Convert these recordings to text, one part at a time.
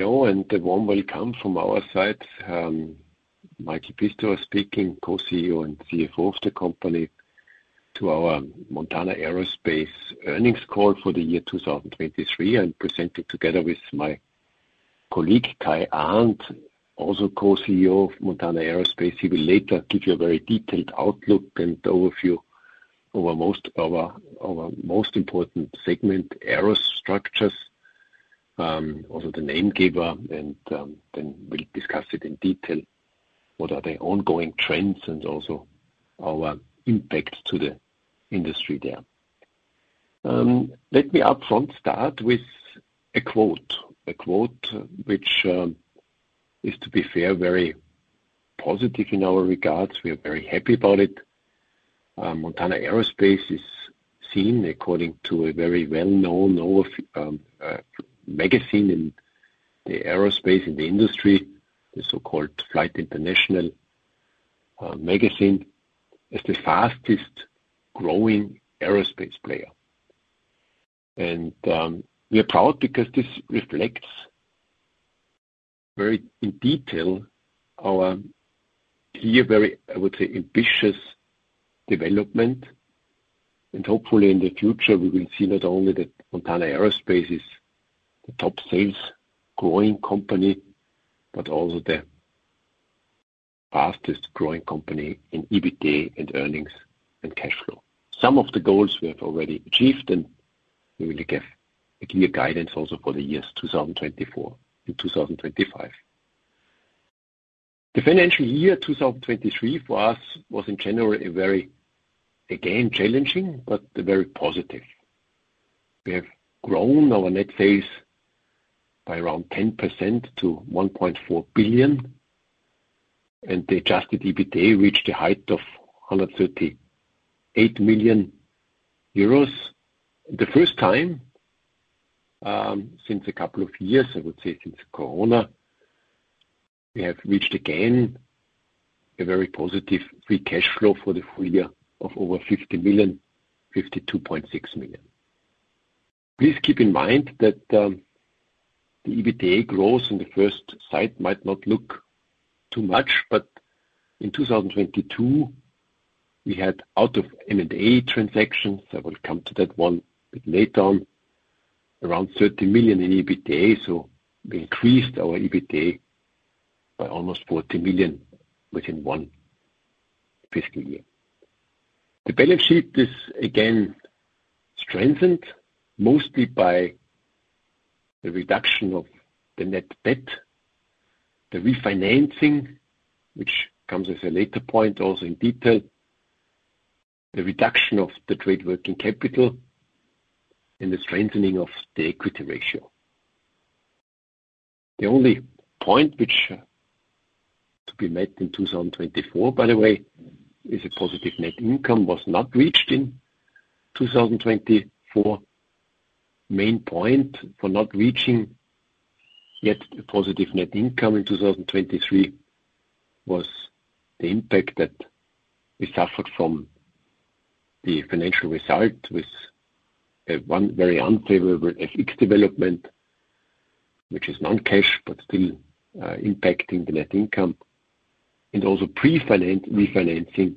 Hello, and a warm welcome from our side. Michael Pistauer speaking, Co-CEO and CFO of the company, to our Montana Aerospace earnings call for the year 2023, and presenting together with my colleague, Kai Arndt, also Co-CEO of Montana Aerospace. He will later give you a very detailed outlook and overview over our most important segment, aerostructures, also the name giver, and, then we'll discuss it in detail. What are the ongoing trends, and also our impact to the industry there? Let me upfront start with a quote. A quote, which, is, to be fair, very positive in our regards. We are very happy about it. Montana Aerospace is seen according to a very well-known magazine in the aerospace, in the industry, the so-called Flight International magazine, as the fastest growing aerospace player. We are proud because this reflects very in detail our clear, very, I would say, ambitious development. Hopefully in the future, we will see not only that Montana Aerospace is the top sales growing company, but also the fastest growing company in EBITDA, and earnings, and cash flow. Some of the goals we have already achieved, and we will give you a guidance also for the years 2024 to 2025. The financial year 2023 for us was in general a very, again, challenging, but very positive. We have grown our net sales by around 10% to 1.4 billion, and the adjusted EBITDA reached a height of 138 million euros. The first time, since a couple of years, I would say since Corona, we have reached again, a very positive free cash flow for the full year of over 50 million, 52.6 million. Please keep in mind that, the EBITDA growth on the first site might not look too much, but in 2022, we had out of M&A transactions, I will come to that one bit later on, around 13 million in EBITDA, so we increased our EBITDA by almost 14 million within one fiscal year. The balance sheet is again strengthened, mostly by the reduction of the net debt, the refinancing, which comes as a later point, also in detail, the reduction of the trade working capital, and the strengthening of the equity ratio. The only point which was to be met in 2024, by the way, is a positive net income, was not reached in 2024. Main point for not reaching yet a positive net income in 2023, was the impact that we suffered from the financial result, with a one very unfavorable FX development, which is non-cash, but still, impacting the net income. And also pre-refinancing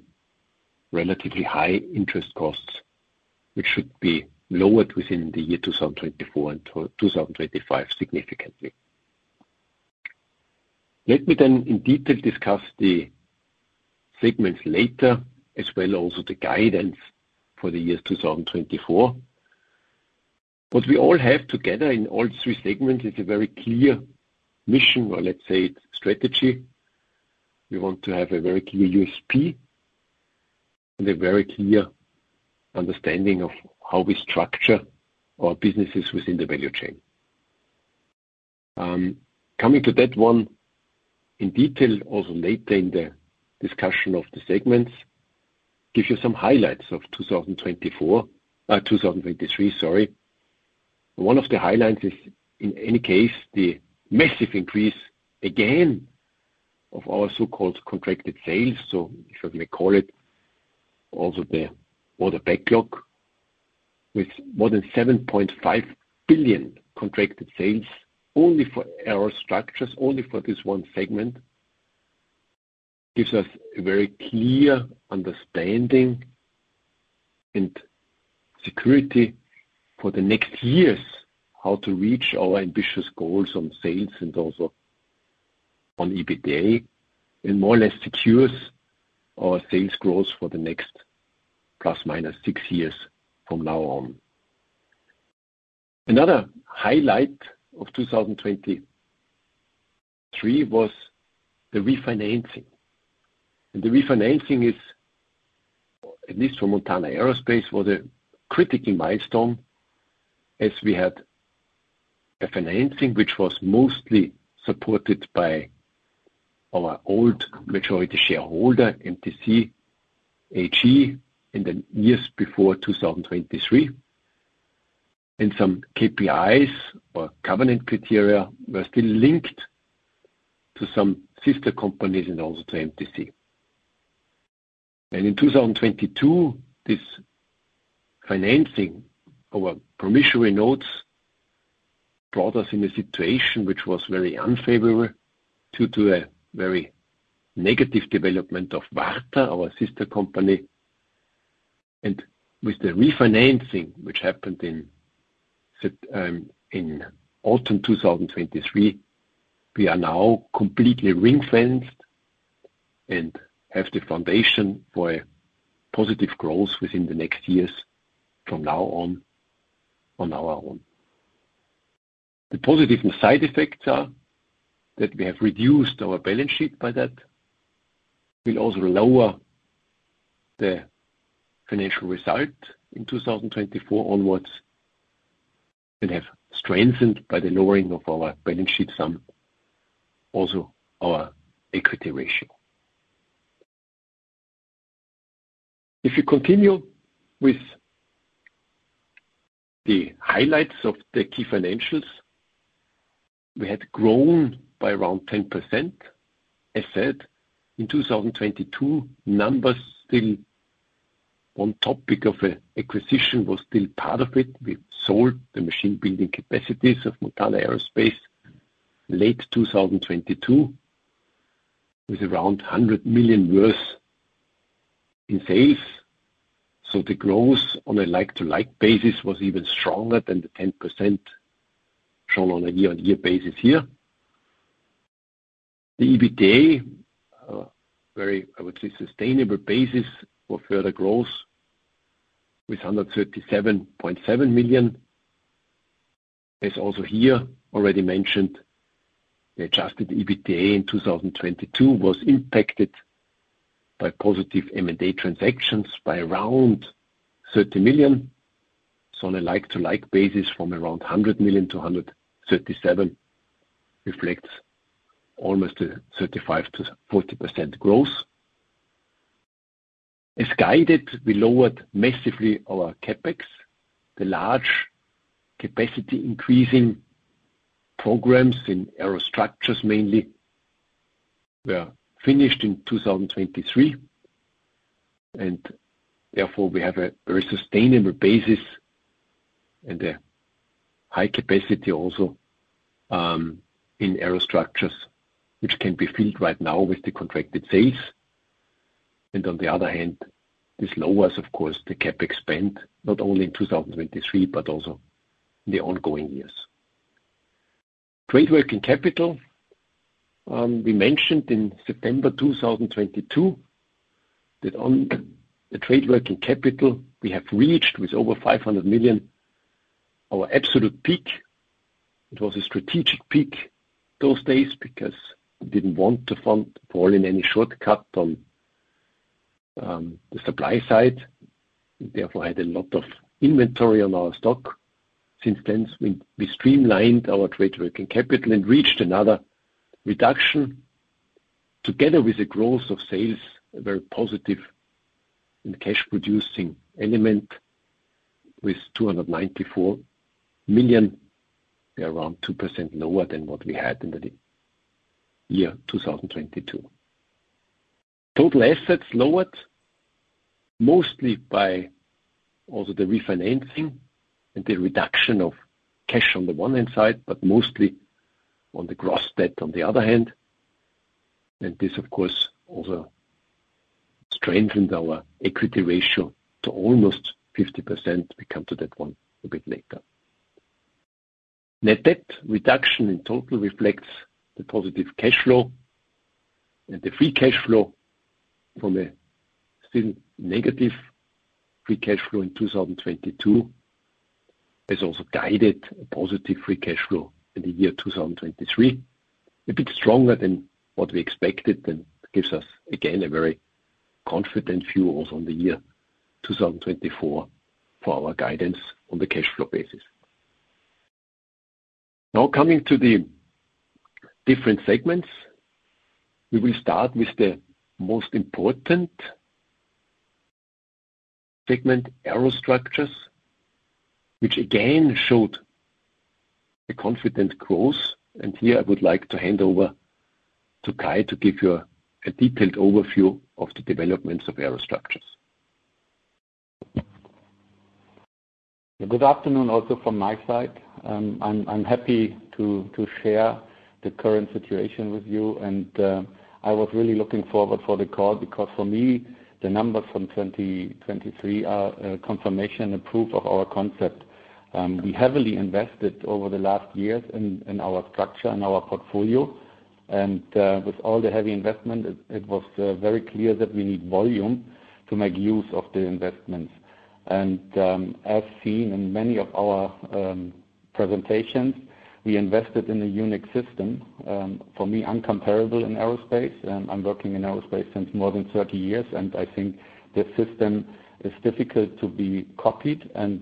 relatively high interest costs, which should be lowered within the year 2024, and to 2025, significantly. Let me then, in detail, discuss the segments later, as well as also the guidance for the year 2024. What we all have together in all three segments is a very clear mission, or let's say, strategy. We want to have a very clear USP and a very clear understanding of how we structure our businesses within the value chain. Coming to that one in detail, also later in the discussion of the segments, gives you some highlights of 2024, 2023, sorry. One of the highlights is, in any case, the massive increase, again, of our so-called contracted sales, so if I may call it, also the order backlog, with more than 7.5 billion contracted sales only for Aerostructures, only for this one segment. Gives us a very clear understanding and security for the next years, how to reach our ambitious goals on sales and also on EBITDA, and more or less secures our sales growth for the next ±6 years from now on. Another highlight of 2023 was the refinancing. The refinancing is, at least for Montana Aerospace, was a critical milestone as we had a financing, which was mostly supported by our old majority shareholder, MTC AG, in the years before 2023. Some KPIs or covenant criteria were still linked to some sister companies and also to MTC. In 2022, this financing over promissory notes brought us in a situation which was very unfavorable due to a very negative development of VARTA, our sister company. With the refinancing, which happened in September, in autumn 2023, we are now completely ring-fenced and have the foundation for a positive growth within the next years from now on, on our own. The positive and side effects are, that we have reduced our balance sheet by that. We'll also lower the financial result in 2024 onwards, and have strengthened by the lowering of our balance sheet, some, also our equity ratio. If you continue with the highlights of the key financials, we had grown by around 10%. As said, in 2022, numbers still on topic of acquisition was still part of it. We sold the machine building capacities of Montana Aerospace late 2022, with around 100 million worth in sales. So the growth on a like-to-like basis was even stronger than the 10% shown on a year-on-year basis here. The EBITDA, very, I would say, sustainable basis for further growth with 137.7 million. As also here already mentioned, the adjusted EBITDA in 2022 was impacted by positive M&A transactions by around 30 million. So on a like-to-like basis, from around 100 million to 137 million, reflects almost a 35%-40% growth. As guided, we lowered massively our CapEx. The large capacity increasing programs in Aerostructures mainly were finished in 2023, and therefore we have a very sustainable basis and a high capacity also in Aerostructures, which can be filled right now with the contracted sales. And on the other hand, this lowers, of course, the CapEx spend, not only in 2023, but also in the ongoing years. Trade working capital, we mentioned in September 2022, that on the trade working capital we have reached, with over 500 million, our absolute peak. It was a strategic peak those days because we didn't want to fall in any shortcut on the supply side. We therefore had a lot of inventory on our stock. Since then, we streamlined our trade working capital and reached another reduction. Together with the growth of sales, a very positive and cash-producing element with 294 million, we are around 2% lower than what we had in the year 2022. Total assets lowered, mostly by also the refinancing and the reduction of cash on the one hand side, but mostly on the gross debt on the other hand. And this, of course, also strengthened our equity ratio to almost 50%. We come to that one a bit later. Net debt reduction in total reflects the positive cash flow and the free cash flow from a still negative free cash flow in 2022, has also guided a positive free cash flow in the year 2023. A bit stronger than what we expected, and gives us, again, a very confident view also on the year 2024 for our guidance on the cash flow basis. Now coming to the different segments, we will start with the most important segment, Aerostructures, which again showed a confident growth. Here I would like to hand over to Kai to give you a detailed overview of the developments of Aerostructures. Good afternoon, also from my side. I'm happy to share the current situation with you, and I was really looking forward for the call, because for me, the numbers from 2023 are a confirmation and proof of our concept. We heavily invested over the last years in our structure and our portfolio, and with all the heavy investment, it was very clear that we need volume to make use of the investments. And as seen in many of our presentations, we invested in a unique system, for me, incomparable in aerospace. I'm working in aerospace since more than 30 years, and I think the system is difficult to be copied, and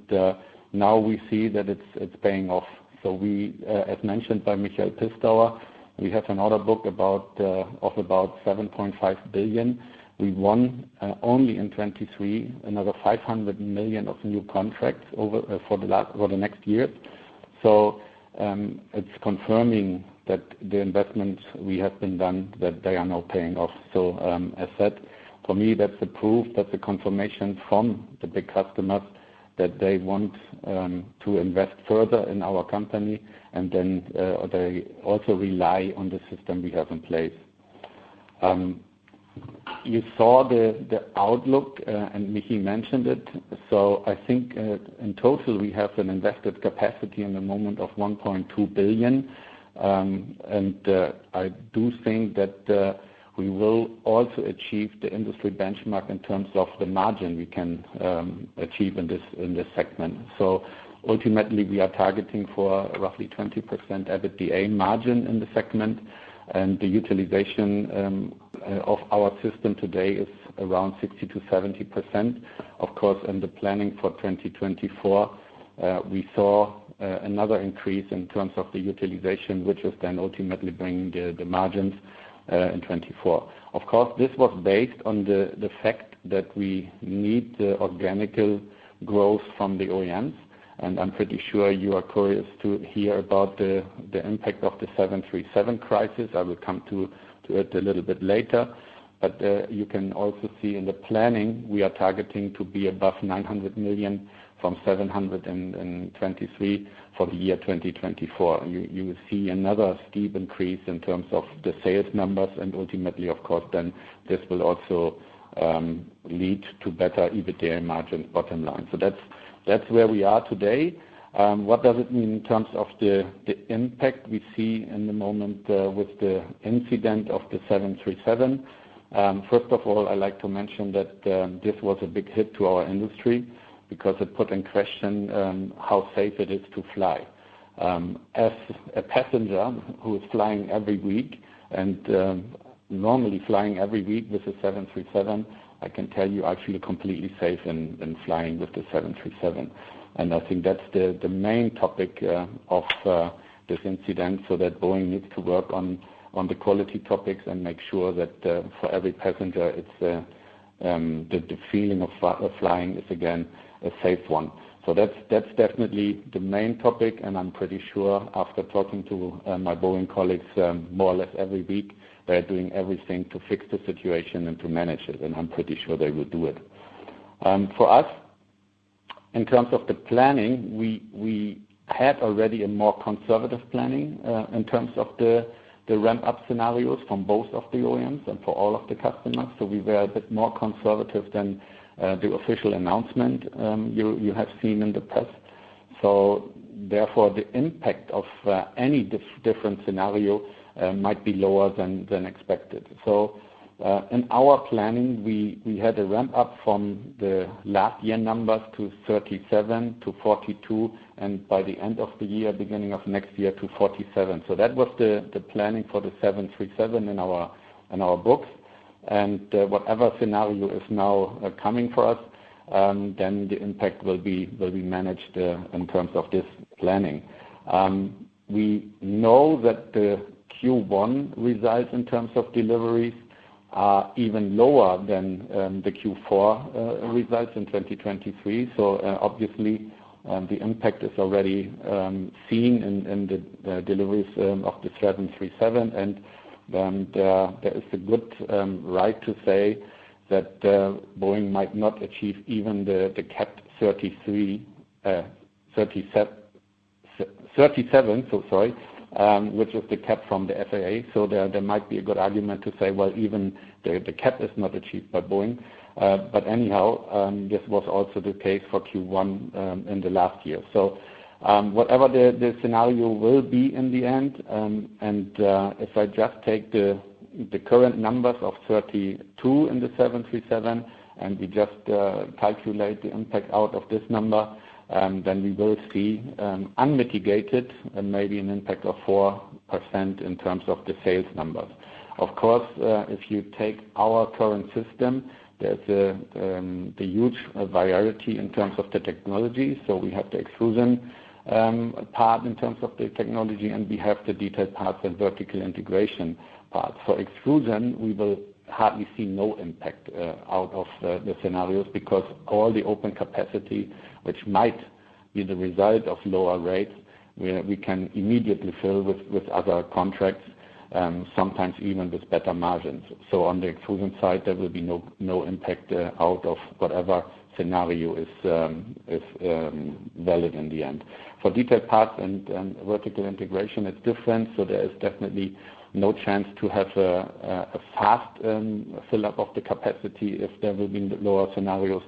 now we see that it's paying off. So we, as mentioned by Michael Pistauer, we have an order book about of about 7.5 billion. We won only in 2023, another 500 million of new contracts over for the next years. So, it's confirming that the investments we have been done, that they are now paying off. So, as said, for me, that's the proof, that's the confirmation from the big customers, that they want to invest further in our company, and then, they also rely on the system we have in place. You saw the outlook, and Mickey mentioned it. So I think in total, we have an invested capacity in the moment of 1.2 billion. And, I do think that we will also achieve the industry benchmark in terms of the margin we can achieve in this segment. So ultimately, we are targeting for roughly 20% EBITDA margin in the segment, and the utilization of our system today is around 60%-70%. Of course, in the planning for 2024, we saw another increase in terms of the utilization, which is then ultimately bringing the margins in 2024. Of course, this was based on the fact that we need the organic growth from the OEMs, and I'm pretty sure you are curious to hear about the impact of the 737 crisis. I will come to it a little bit later, but you can also see in the planning, we are targeting to be above 900 million, from 723 million for the year 2024. You will see another steep increase in terms of the sales numbers, and ultimately, of course, then this will also lead to better EBITDA margin bottom line. So that's where we are today. What does it mean in terms of the impact we see in the moment with the incident of the 737? First of all, I'd like to mention that this was a big hit to our industry, because it put in question how safe it is to fly. As a passenger who is flying every week and normally flying every week with a 737, I can tell you I feel completely safe in flying with the 737. And I think that's the main topic of this incident, so that Boeing needs to work on the quality topics and make sure that for every passenger, it's the feeling of flying is again a safe one. So that's definitely the main topic, and I'm pretty sure after talking to my Boeing colleagues more or less every week, they're doing everything to fix the situation and to manage it, and I'm pretty sure they will do it. For us, in terms of the planning, we had already a more conservative planning in terms of the ramp-up scenarios from both of the OEMs and for all of the customers. So we were a bit more conservative than the official announcement you have seen in the press. So therefore, the impact of any different scenario might be lower than expected. So, in our planning, we had a ramp up from the last year numbers to 37, to 42, and by the end of the year, beginning of next year, to 47. So that was the planning for the 737 in our books. And, whatever scenario is now coming for us, then the impact will be managed in terms of this planning. We know that the Q1 results in terms of deliveries are even lower than the Q4 results in 2023. So, obviously, the impact is already seen in the deliveries of the 737, and there is a good right to say that Boeing might not achieve even the cap 33 37, so sorry, which is the cap from the FAA. So there might be a good argument to say, "Well, even the cap is not achieved by Boeing." But anyhow, this was also the case for Q1 in the last year. Whatever the scenario will be in the end, and if I just take the current numbers of 32 in the 737, and we just calculate the impact out of this number, then we will see unmitigated and maybe an impact of 4% in terms of the sales numbers. Of course, if you take our current system, there's a huge variety in terms of the technology. So we have the Aerostructures part in terms of the technology, and we have the detailed parts and vertical integration part. For Aerostructures, we will hardly see no impact out of the scenarios, because all the open capacity, which might be the result of lower rates, we can immediately fill with other contracts, sometimes even with better margins. So on the exclusion side, there will be no, no impact out of whatever scenario is, is valid in the end. For detailed parts and vertical integration, it's different, so there is definitely no chance to have a fast fill up of the capacity if there will be lower scenarios.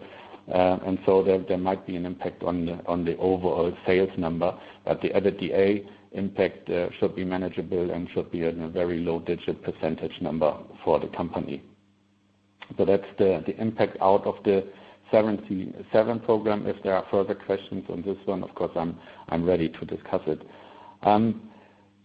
And so there might be an impact on the overall sales number, but the EBITDA impact should be manageable and should be in a very low single-digit percentage number for the company. So that's the impact out of the 737 program. If there are further questions on this one, of course, I'm ready to discuss it.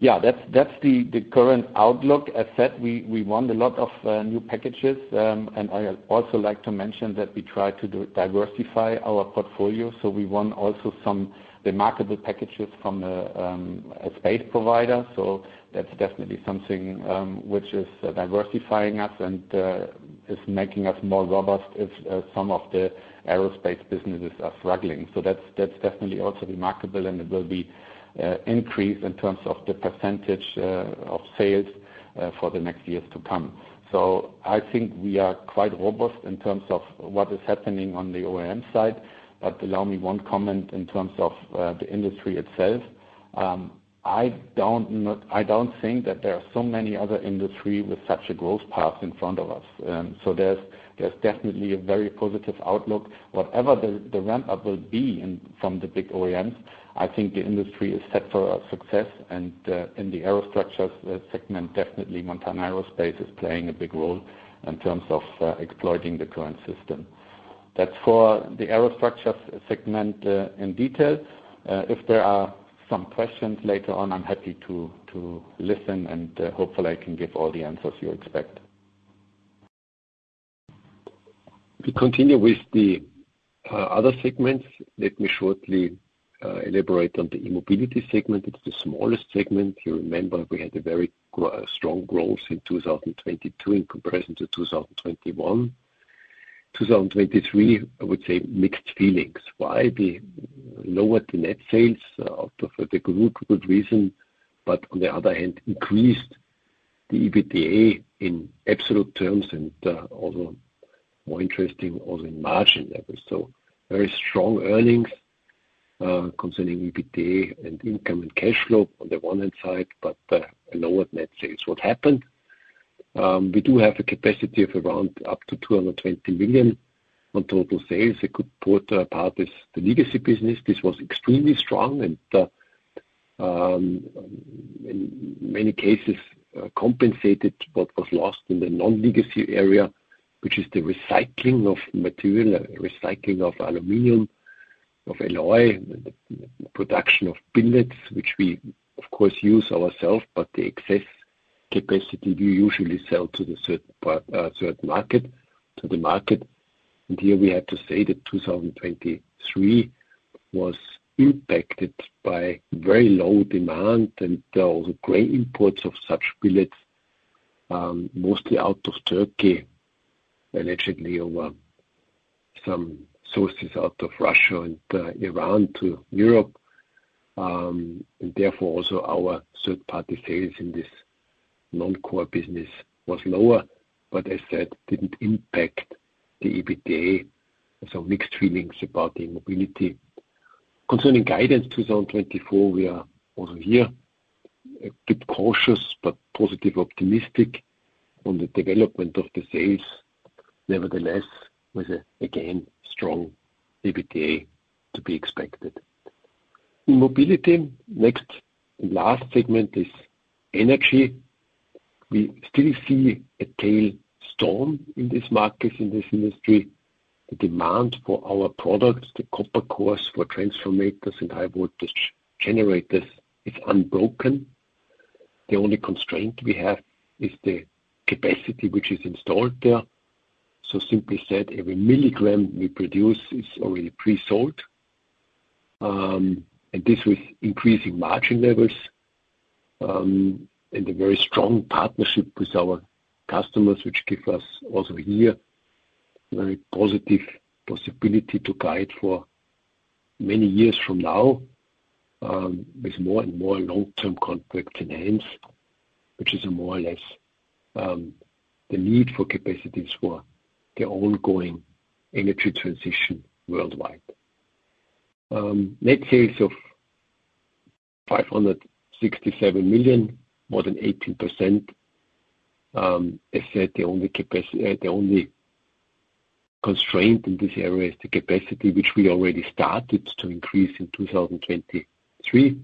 Yeah, that's the current outlook. As said, we want a lot of new packages, and I also like to mention that we try to diversify our portfolio, so we want also some remarkable packages from a space provider. So that's definitely something which is diversifying us and is making us more robust if some of the aerospace businesses are struggling. So that's definitely also remarkable, and it will be increase in terms of the percentage of sales.... for the next years to come. So I think we are quite robust in terms of what is happening on the OEM side. But allow me one comment in terms of the industry itself. I don't think that there are so many other industry with such a growth path in front of us. So there's definitely a very positive outlook. Whatever the ramp-up will be in from the big OEMs, I think the industry is set for success, and in the Aerostructures segment, definitely Montana Aerospace is playing a big role in terms of exploiting the current system. That's for the Aerostructures segment in detail. If there are some questions later on, I'm happy to listen, and hopefully I can give all the answers you expect. We continue with the other segments. Let me shortly elaborate on the E-Mobility segment. It's the smallest segment. You remember, we had a very strong growth in 2022 in comparison to 2021. 2023, I would say, mixed feelings. Why? We lowered the net sales out of the good, good reason, but on the other hand, increased the EBITDA in absolute terms, and also more interesting, also in margin levels. So very strong earnings concerning EBITDA and income and cash flow on the one hand side, but a lower net sales. What happened? We do have a capacity of around up to 220 million on total sales. A good part is the legacy business. This was extremely strong and, in many cases, compensated what was lost in the non-legacy area, which is the recycling of material, recycling of aluminum, of alloy, production of billets, which we of course use ourselves, but the excess capacity we usually sell to the third party, third market, to the market. Here we have to say that 2023 was impacted by very low demand and also great imports of such billets, mostly out of Turkey, and actually over some sources out of Russia and Iran to Europe. And therefore, also our third-party sales in this non-core business was lower, but as that didn't impact the EBITDA, so mixed feelings about e-mobility. Concerning guidance, 2024, we are also here a bit cautious but positive optimistic on the development of the sales. Nevertheless, with, again, strong EBITDA to be expected. E-mobility, next and last segment is Energy. We still see a tailwind in this market, in this industry. The demand for our products, the copper cores for transformers and high voltage generators, is unbroken. The only constraint we have is the capacity which is installed there. So simply said, every milligram we produce is already pre-sold, and this with increasing margin levels, and a very strong partnership with our customers, which give us also here, very positive possibility to guide for many years from now, with more and more long-term contract in hand, which is a more or less, the need for capacities for the ongoing Energy transition worldwide. Net sales of 567 million, more than 18%. I said the only capacity, the only constraint in this area is the capacity, which we already started to increase in 2023,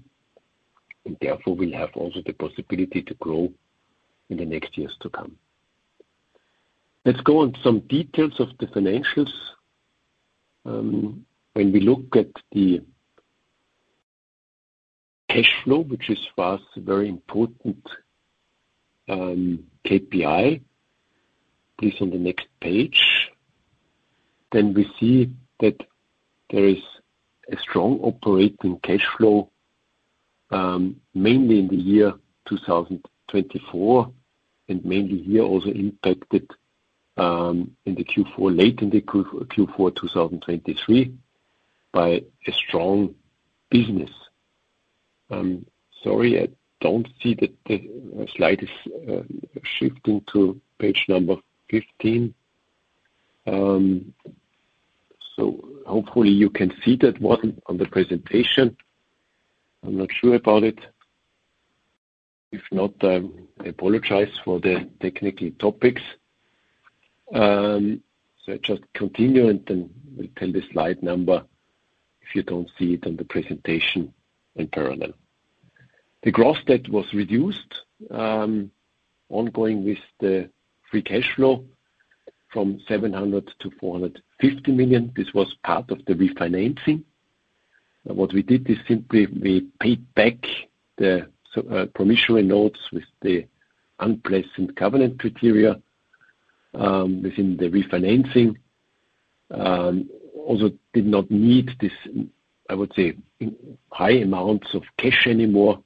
and therefore, we have also the possibility to grow in the next years to come. Let's go on some details of the financials. When we look at the cash flow, which is for us, a very important KPI, please, on the next page. Then we see that there is a strong operating cash flow, mainly in the year 2024, and mainly here, also impacted, in the Q4, late in the Q4, 2023, by a strong business. I'm sorry, I don't see the, the slide is shifting to page number 15. So hopefully you can see that one on the presentation. I'm not sure about it. If not, I apologize for the technical topics. So I just continue, and then we'll tell the slide number if you don't see it on the presentation in parallel. The gross debt was reduced, ongoing with the free cash flow from 700 million to 450 million. This was part of the refinancing. What we did is simply we paid back the, promissory notes with the unpleasant covenant criteria, within the refinancing. Also did not need this, I would say, high amounts of cash anymore,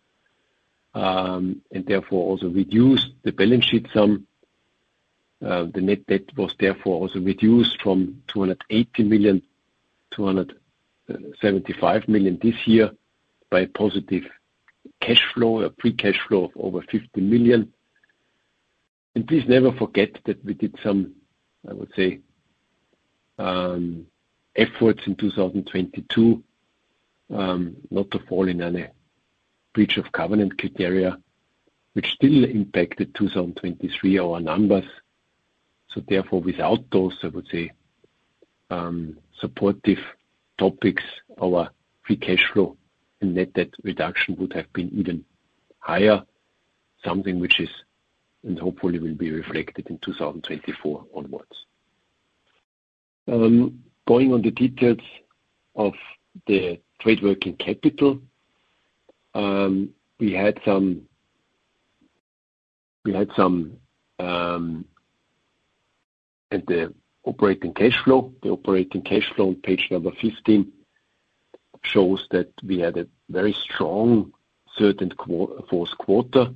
and therefore, also reduced the balance sheet some. The net debt was therefore also reduced from 280 million to 275 million this year, by positive cash flow, a free cash flow of over 50 million. Please never forget that we did some, I would say, efforts in 2022, not to fall in any breach of covenant criteria, which still impacted 2023, our numbers. So therefore, without those, I would say, supportive topics, our free cash flow and net debt reduction would have been even higher. Something which is, and hopefully will be reflected in 2024 onwards. Going on the details of the trade working capital. We had some-- and the operating cash flow. The operating cash flow on page 15 shows that we had a very strong fourth quarter.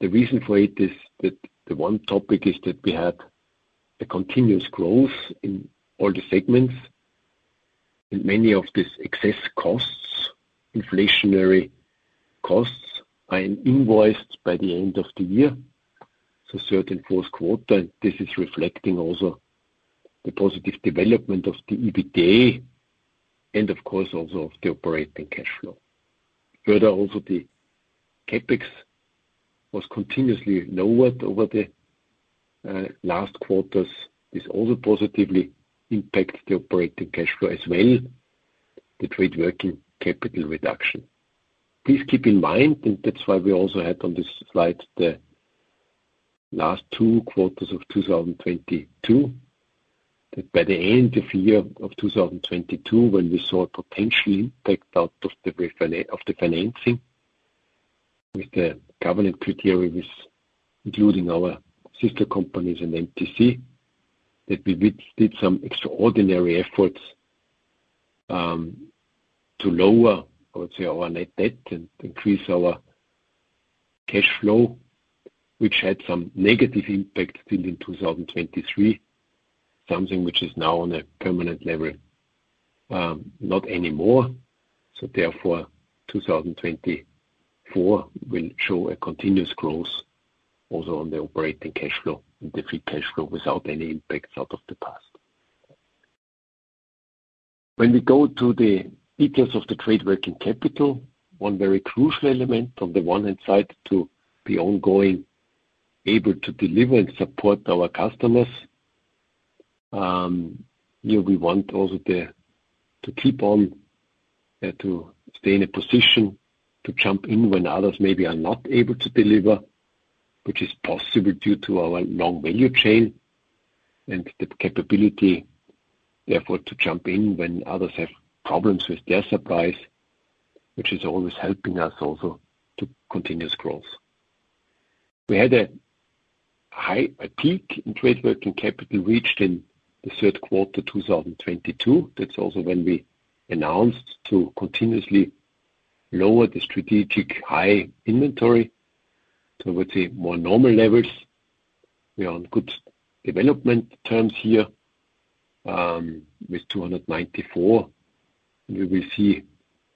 The reason for it is that the one topic is that we had a continuous growth in all the segments, and many of these excess costs, inflationary costs, are invoiced by the end of the year, so third and fourth quarter, and this is reflecting also the positive development of the EBITDA, and of course, also of the operating cash flow. Further, also, the CapEx was continuously lowered over the last quarters. This also positively impacts the operating cash flow as well, the trade working capital reduction. Please keep in mind, and that's why we also had on this slide, the last two quarters of 2022, that by the end of 2022, when we saw potential impact out of the refinancing of the financing with the covenant criteria, with including our sister companies and MTC, that we did some extraordinary efforts to lower, I would say, our net debt and increase our cash flow, which had some negative impact till in 2023, something which is now on a permanent level, not anymore. So therefore, 2024 will show a continuous growth, also on the operating cash flow and the free cash flow without any impacts out of the past. When we go to the details of the trade working capital, one very crucial element on the one hand side, to be ongoing, able to deliver and support our customers. Yeah, we want also the, to keep on, to stay in a position to jump in when others maybe are not able to deliver, which is possible due to our long value chain and the capability, therefore, to jump in when others have problems with their supplies, which is always helping us also to continuous growth. We had a high, a peak in trade working capital reached in the third quarter, 2022. That's also when we announced to continuously lower the strategic high inventory, so I would say more normal levels. We are on good development terms here with 294. We will see,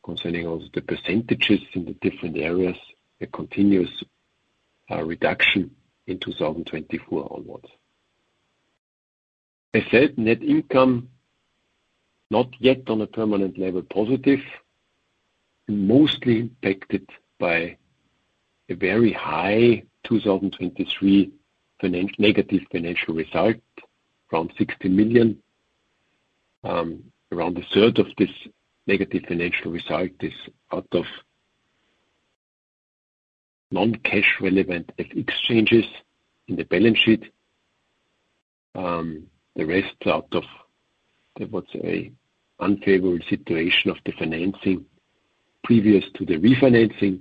concerning also the percentages in the different areas, a continuous reduction in 2024 onwards. I said net income, not yet on a permanent level, positive, and mostly impacted by a very high 2023 negative financial result, around 60 million. Around a third of this negative financial result is out of non-cash relevant FX changes in the balance sheet. The rest out of, I would say, unfavorable situation of the financing previous to the refinancing,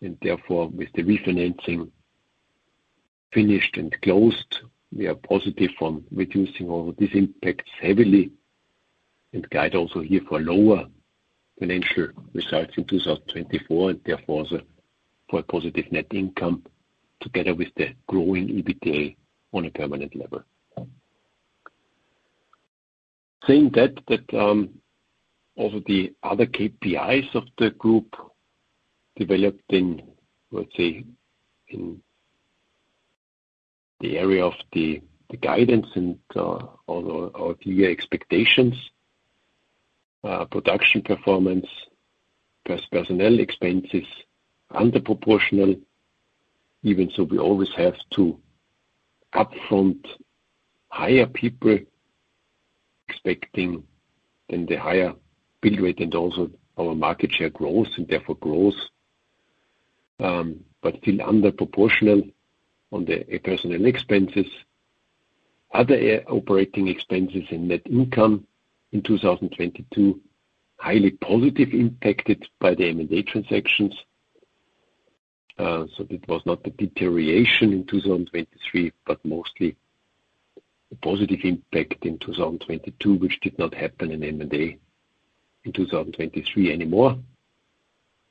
and therefore, with the refinancing finished and closed, we are positive on reducing all of these impacts heavily, and guide also here for lower financial results in 2024, and therefore, also for a positive net income together with the growing EBITDA on a permanent level. Saying that, also the other KPIs of the group developed in, let's say, in the area of the guidance and all our clear expectations, production performance, plus personnel expenses, under proportional. Even so, we always have to upfront higher personnel expenses in the higher build rate and also our market share growth, and therefore growth, but still under proportional on the personnel expenses. Other operating expenses and net income in 2022, highly positive, impacted by the M&A transactions. So it was not a deterioration in 2023, but mostly a positive impact in 2022, which did not happen in M&A in 2023 anymore.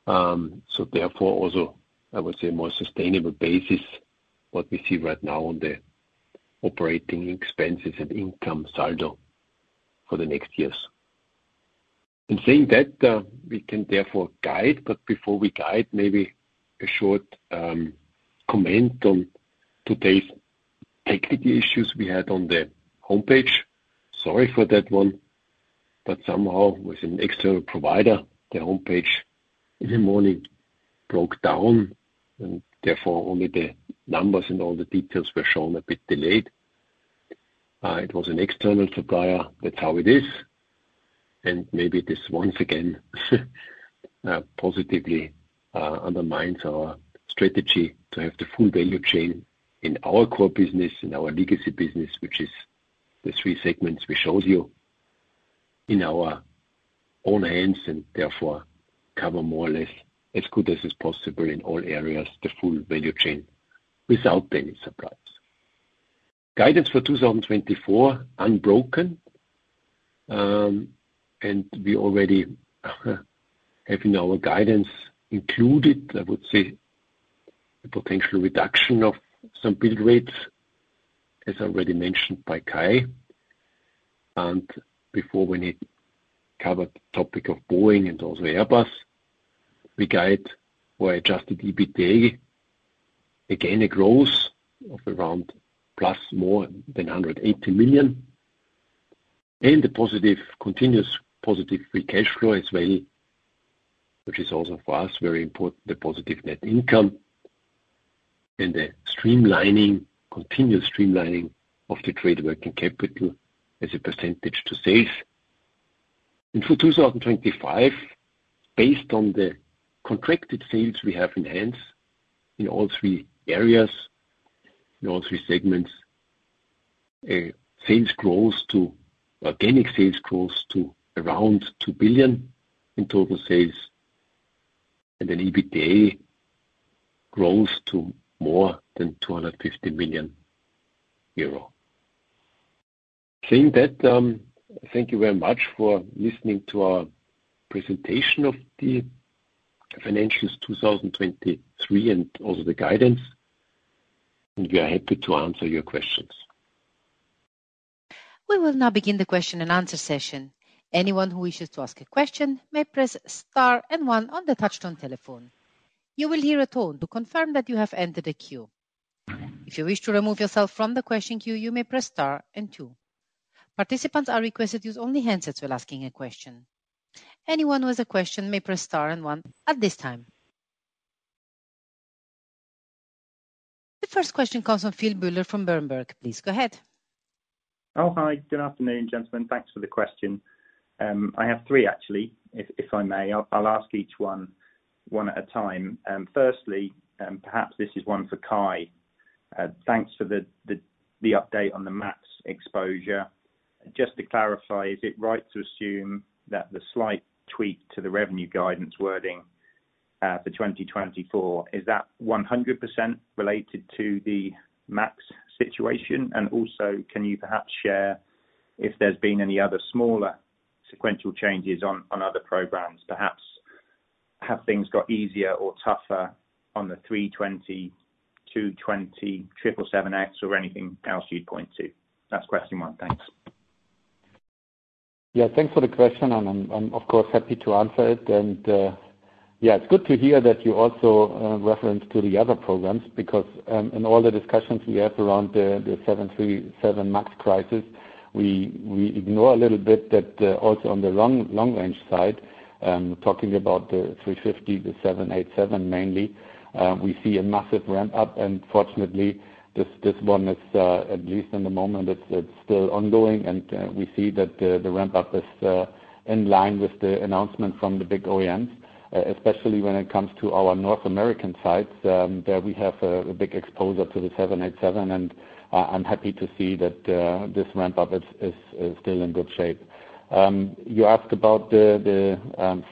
So therefore, also, I would say a more sustainable basis, what we see right now on the operating expenses and income saldo for the next years. In saying that, we can therefore guide, but before we guide, maybe a short comment on today's technical issues we had on the homepage. Sorry for that one, but somehow with an external provider, the homepage in the morning broke down, and therefore only the numbers and all the details were shown a bit delayed. It was an external supplier. That's how it is, and maybe this once again, positively, undermines our strategy to have the full value chain in our core business, in our legacy business, which is the three segments we showed you, in our own hands, and therefore cover more or less, as good as is possible in all areas, the full value chain without any suppliers. Guidance for 2024, unbroken. And we already have in our guidance included, I would say, a potential reduction of some build rates, as already mentioned by Kai. Before when he covered the topic of Boeing and also Airbus, we guide for adjusted EBITDA, again, a growth of around + more than 180 million, and a positive, continuous positive free cash flow as well, which is also for us very important, the positive net income and the streamlining, continuous streamlining of the trade working capital as a percentage to sales. For 2025, based on the contracted sales we have in hands in all three areas, in all three segments, a sales growth to—organic sales growth to around 2 billion in total sales, and an EBITDA grows to more than 250 million euro. Saying that, thank you very much for listening to our presentation of the financials 2023 and also the guidance, and we are happy to answer your questions. We will now begin the question and answer session. Anyone who wishes to ask a question may press star and one on the touchtone telephone. You will hear a tone to confirm that you have entered a queue. If you wish to remove yourself from the question queue, you may press star and two. Participants are requested to use only handsets while asking a question. Anyone who has a question may press star and one at this time. The first question comes from Phil Buller, from Berenberg. Please go ahead. Oh, hi. Good afternoon, gentlemen. Thanks for the question. I have three, actually, if I may. I'll ask each one at a time. Firstly, perhaps this is one for Kai. Thanks for the update on the MAX exposure. Just to clarify, is it right to assume that the slight tweak to the revenue guidance wording for 2024 is that 100% related to the MAX situation? And also, can you perhaps share if there's been any other smaller sequential changes on other programs? Perhaps, have things got easier or tougher on the A320, A220, 777X, or anything else you'd point to? That's question one. Thanks. Yeah, thanks for the question, and I'm of course happy to answer it. And yeah, it's good to hear that you also referenced to the other programs, because in all the discussions we have around the 737 MAX crisis, we ignore a little bit that also on the long-range side, talking about the 350, the 787, mainly, we see a massive ramp up, and fortunately, this one is at least in the moment, it's still ongoing. And we see that the ramp up is in line with the announcement from the big OEMs, especially when it comes to our North American sites. There we have a big exposure to the 787, and I'm happy to see that this ramp up is still in good shape. You asked about the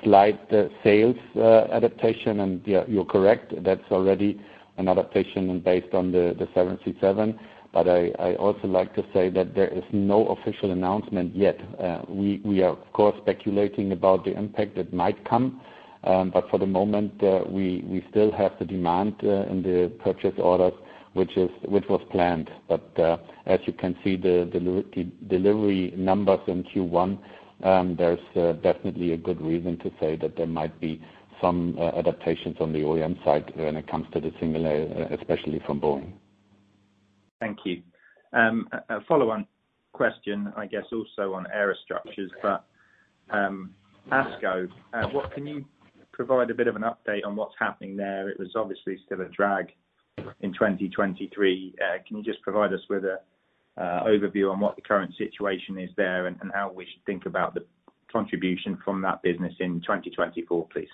slight sales adaptation, and yeah, you're correct. That's already an adaptation based on the 737. But I also like to say that there is no official announcement yet. We are of course speculating about the impact that might come, but for the moment we still have the demand in the purchase orders, which is—which was planned. But, as you can see, the delivery numbers in Q1, there's definitely a good reason to say that there might be some adaptations on the OEM side when it comes to the single aisle, especially from Boeing. Thank you. A follow-on question, I guess, also on Aerostructures, but ASCO, what can you provide a bit of an update on what's happening there? It was obviously still a drag in 2023. Can you just provide us with an overview on what the current situation is there and how we should think about the contribution from that business in 2024, please?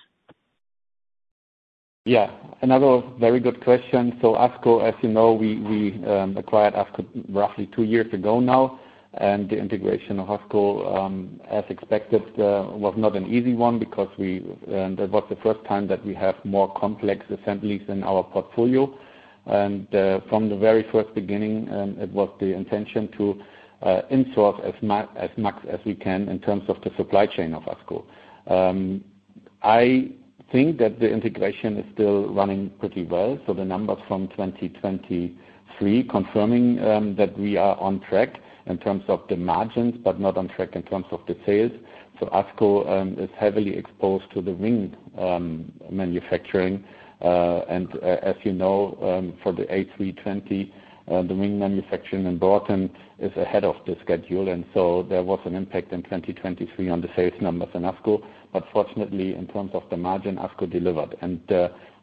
Yeah, another very good question. So ASCO, as you know, we acquired ASCO roughly two years ago now, and the integration of ASCO, as expected, was not an easy one because we, that was the first time that we have more complex assemblies in our portfolio. And from the very first beginning, it was the intention to in-source as much as we can in terms of the supply chain of ASCO. I think that the integration is still running pretty well. So the numbers from 2023 confirming that we are on track in terms of the margins, but not on track in terms of the sales. So ASCO is heavily exposed to the wing manufacturing. As you know, for the A320, the wing manufacturing in Broughton is ahead of the schedule, and so there was an impact in 2023 on the sales numbers in ASCO. But fortunately, in terms of the margin, ASCO delivered. And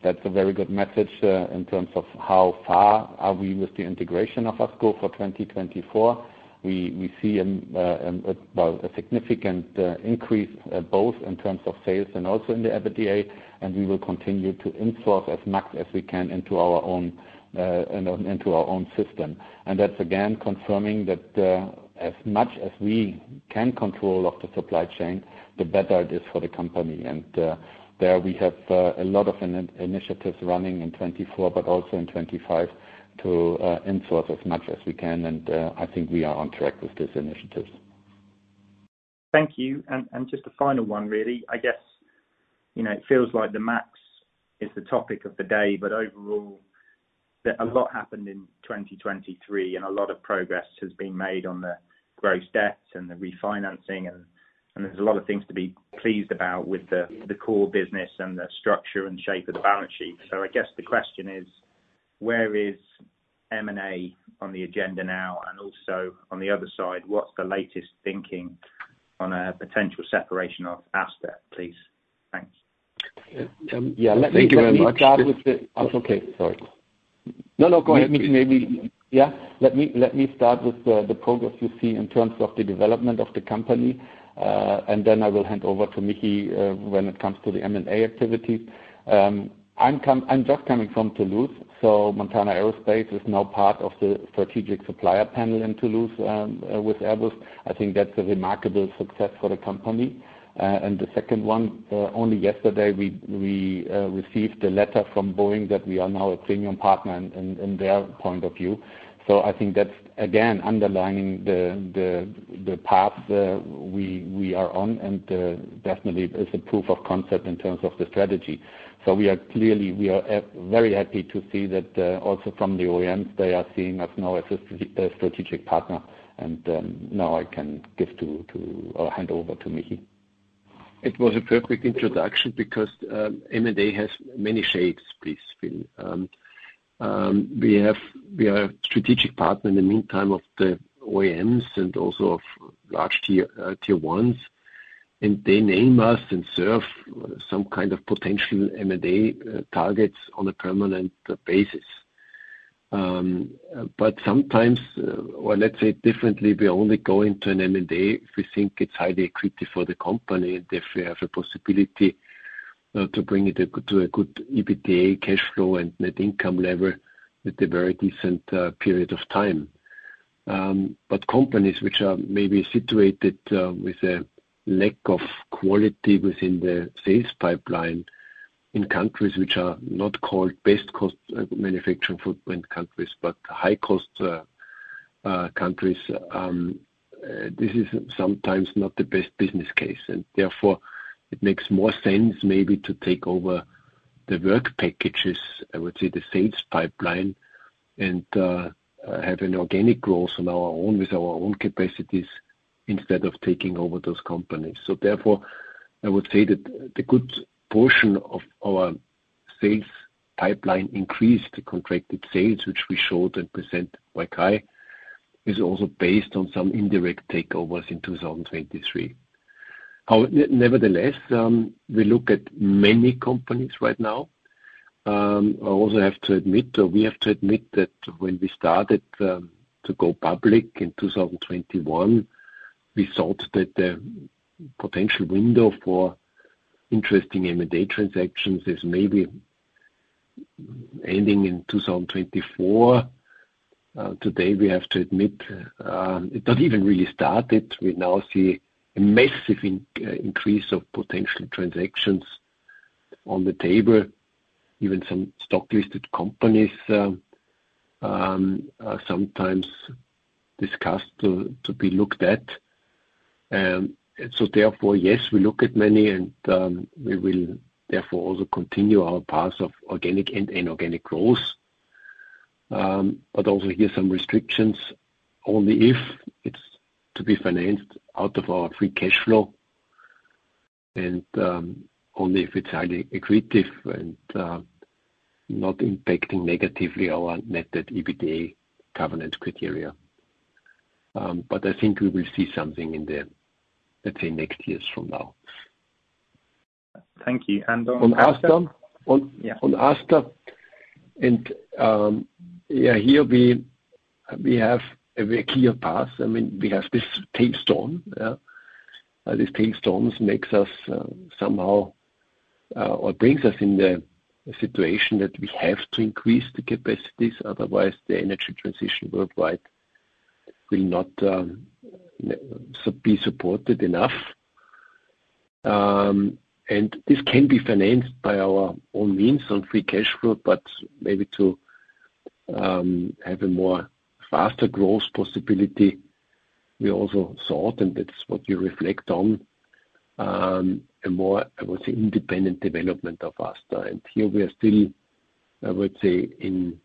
that's a very good message, in terms of how far are we with the integration of ASCO for 2024. We see a, well, a significant increase, both in terms of sales and also in the EBITDA, and we will continue to in-source as much as we can into our own, into our own system. And that's again, confirming that, as much as we can control of the supply chain, the better it is for the company. There we have a lot of initiatives running in 2024, but also in 2025, to in-source as much as we can, and I think we are on track with these initiatives. Thank you. And just a final one, really. I guess, you know, it feels like the MAX is the topic of the day, but overall, there's a lot happened in 2023, and a lot of progress has been made on the gross debt and the refinancing, and there's a lot of things to be pleased about with the core business and the structure and shape of the balance sheet. So I guess the question is: where is M&A on the agenda now? And also, on the other side, what's the latest thinking on a potential separation of ASTA, please? Thanks. Um, yeah. Thank you very much. Let me start. Okay. Sorry. No, no, go ahead, Michi. Maybe, yeah. Let me, let me start with the, the progress you see in terms of the development of the company, and then I will hand over to Michi, when it comes to the M&A activity. I'm just coming from Toulouse, so Montana Aerospace is now part of the strategic supplier panel in Toulouse, with Airbus. I think that's a remarkable success for the company. And the second one, only yesterday, we received a letter from Boeing that we are now a premium partner in their point of view. So I think that's again, underlining the, the path we are on and definitely is a proof of concept in terms of the strategy. So we are clearly very happy to see that also from the OEMs, they are seeing us now as a strategic partner. And now I can give to or hand over to Michi. It was a perfect introduction because, M&A has many shapes, please, Phil. We are a strategic partner in the meantime of the OEMs and also of large tier, tier ones, and they name us and serve some kind of potential M&A targets on a permanent basis. But sometimes, or let's say differently, we only go into an M&A if we think it's highly accretive for the company, and if we have a possibility, to bring it to a good EBITDA cash flow and net income level with a very decent period of time. But companies which are maybe situated with a lack of quality within the sales pipeline in countries which are not called best-cost country footprint countries, but high cost countries, this is sometimes not the best business case, and therefore it makes more sense maybe to take over the work packages, I would say, the sales pipeline, and have an organic growth on our own, with our own capacities, instead of taking over those companies. So therefore, I would say that the good portion of our sales pipeline increased the contracted sales, which we showed and present like I, is also based on some indirect takeovers in 2023. Nevertheless, we look at many companies right now. I also have to admit, or we have to admit, that when we started to go public in 2021, we thought that the potential window for interesting M&A transactions is maybe ending in 2024. Today, we have to admit, it doesn't even really started. We now see a massive increase of potential transactions on the table, even some stock-listed companies are sometimes discussed to be looked at. So therefore, yes, we look at many, and we will therefore also continue our path of organic and inorganic growth. But also here, some restrictions, only if it's to be financed out of our free cash flow and only if it's highly accretive and not impacting negatively our net debt/EBITDA covenant criteria. But I think we will see something in the, let's say, next years from now. Thank you. And on- On ASTA? Yeah. On ASTA, and, yeah, here we, we have a very clear path. I mean, we have this tailwind, these tailwinds makes us, somehow, or brings us in the situation that we have to increase the capacities, otherwise the energy transition worldwide will not be supported enough. And this can be financed by our own means on free cash flow, but maybe to-... have a more faster growth possibility. We also thought, and that's what we reflect on, a more, I would say, independent development of ASTA. And here we are still, I would say, in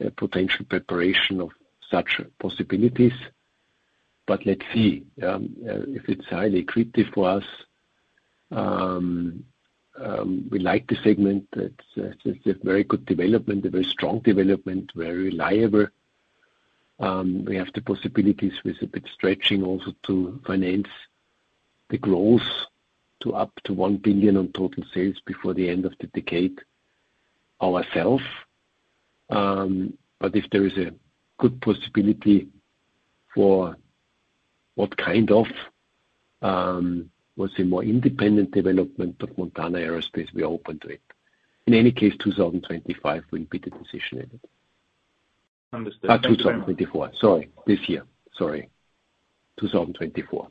a potential preparation of such possibilities. But let's see, if it's highly accretive for us. We like the segment. It's a, it's a very good development, a very strong development, very reliable. We have the possibilities with a bit stretching also to finance the growth to up to 1 billion on total sales before the end of the decade ourselves. But if there is a good possibility for what kind of, what's it? More independent development of Montana Aerospace, we are open to it. In any case, 2025 will be the position in it. Understood. 2024. Sorry, this year. Sorry, 2024.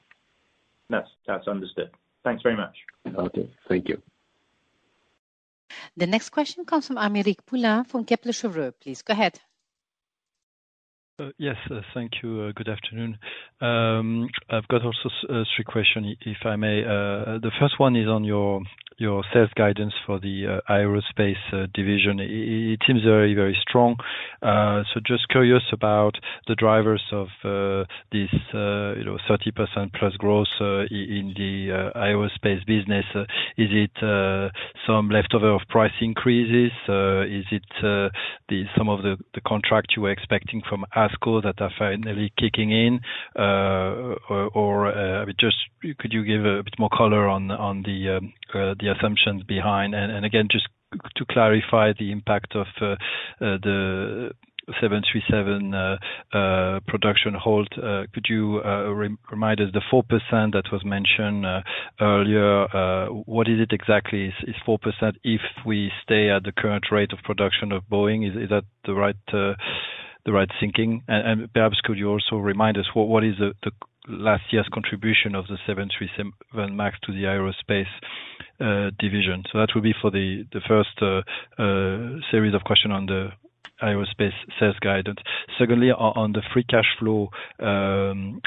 That's, that's understood. Thanks very much. Okay, thank you. The next question comes from Aymeric Poulain from Kepler Cheuvreux. Please, go ahead. Yes, thank you. Good afternoon. I've got also three questions, if I may. The first one is on your sales guidance for the aerospace division. It seems very strong. So just curious about the drivers of this, you know, 30% plus growth in the aerospace business. Is it some leftover of price increases? Is it some of the contracts you were expecting from ASCO that are finally kicking in? Or, I mean, just could you give a bit more color on the assumptions behind? And again, just to clarify the impact of the 737 production halt, could you remind us the 4% that was mentioned earlier, what is it exactly? Is 4% if we stay at the current rate of production of Boeing, is that the right thinking? And perhaps could you also remind us what is the last year's contribution of the 737 MAX to the aerospace division? So that would be for the first series of question on the aerospace sales guidance. Secondly, on the free cash flow guidance,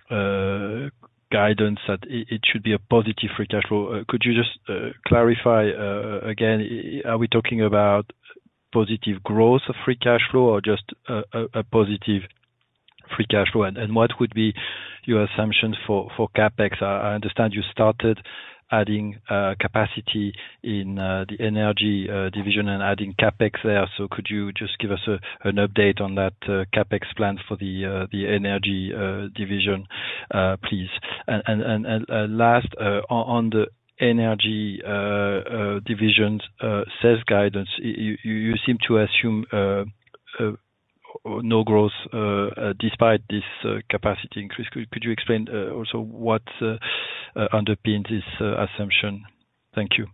that it should be a positive free cash flow. Could you just clarify again, are we talking about positive growth of free cash flow or just a positive free cash flow? And what would be your assumptions for CapEx? I understand you started adding capacity in the energy division and adding CapEx there. So could you just give us an update on that CapEx plan for the energy division, please? And last, on the energy division's sales guidance, you seem to assume no growth despite this capacity increase. Could you explain also what underpins this assumption? Thank you.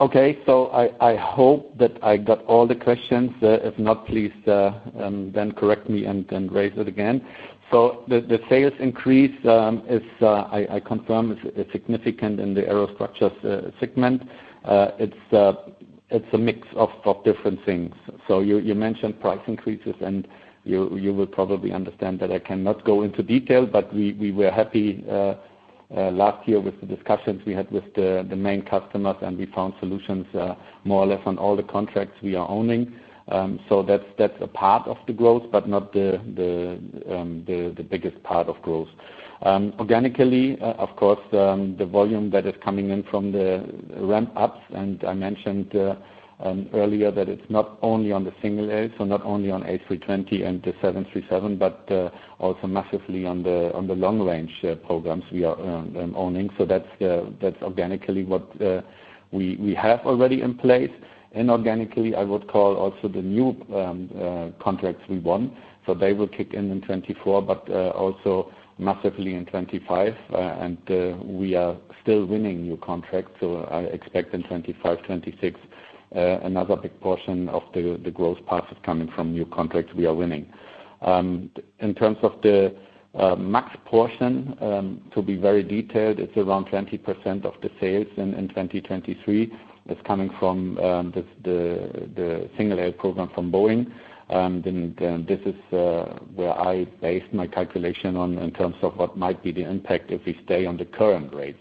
Okay. So I hope that I got all the questions. If not, please then correct me and raise it again. So the sales increase is, I confirm, is significant in the Aerostructures segment. It's a mix of different things. So you mentioned price increases, and you will probably understand that I cannot go into detail, but we were happy last year with the discussions we had with the main customers, and we found solutions more or less on all the contracts we are owning. So that's a part of the growth, but not the biggest part of growth. Organically, of course, the volume that is coming in from the ramp up, and I mentioned earlier, that it's not only on the single-aisle, so not only on A320 and the 737, but also massively on the long-range programs we are owning. So that's organically what we have already in place. Inorganically, I would call also the new contracts we won. So they will kick in in 2024, but also massively in 2025. And we are still winning new contracts, so I expect in 2025, 2026, another big portion of the growth path is coming from new contracts we are winning. In terms of the MAX portion, to be very detailed, it's around 20% of the sales in 2023. It's coming from the single-aisle program from Boeing. Then, this is where I based my calculation on, in terms of what might be the impact if we stay on the current rates.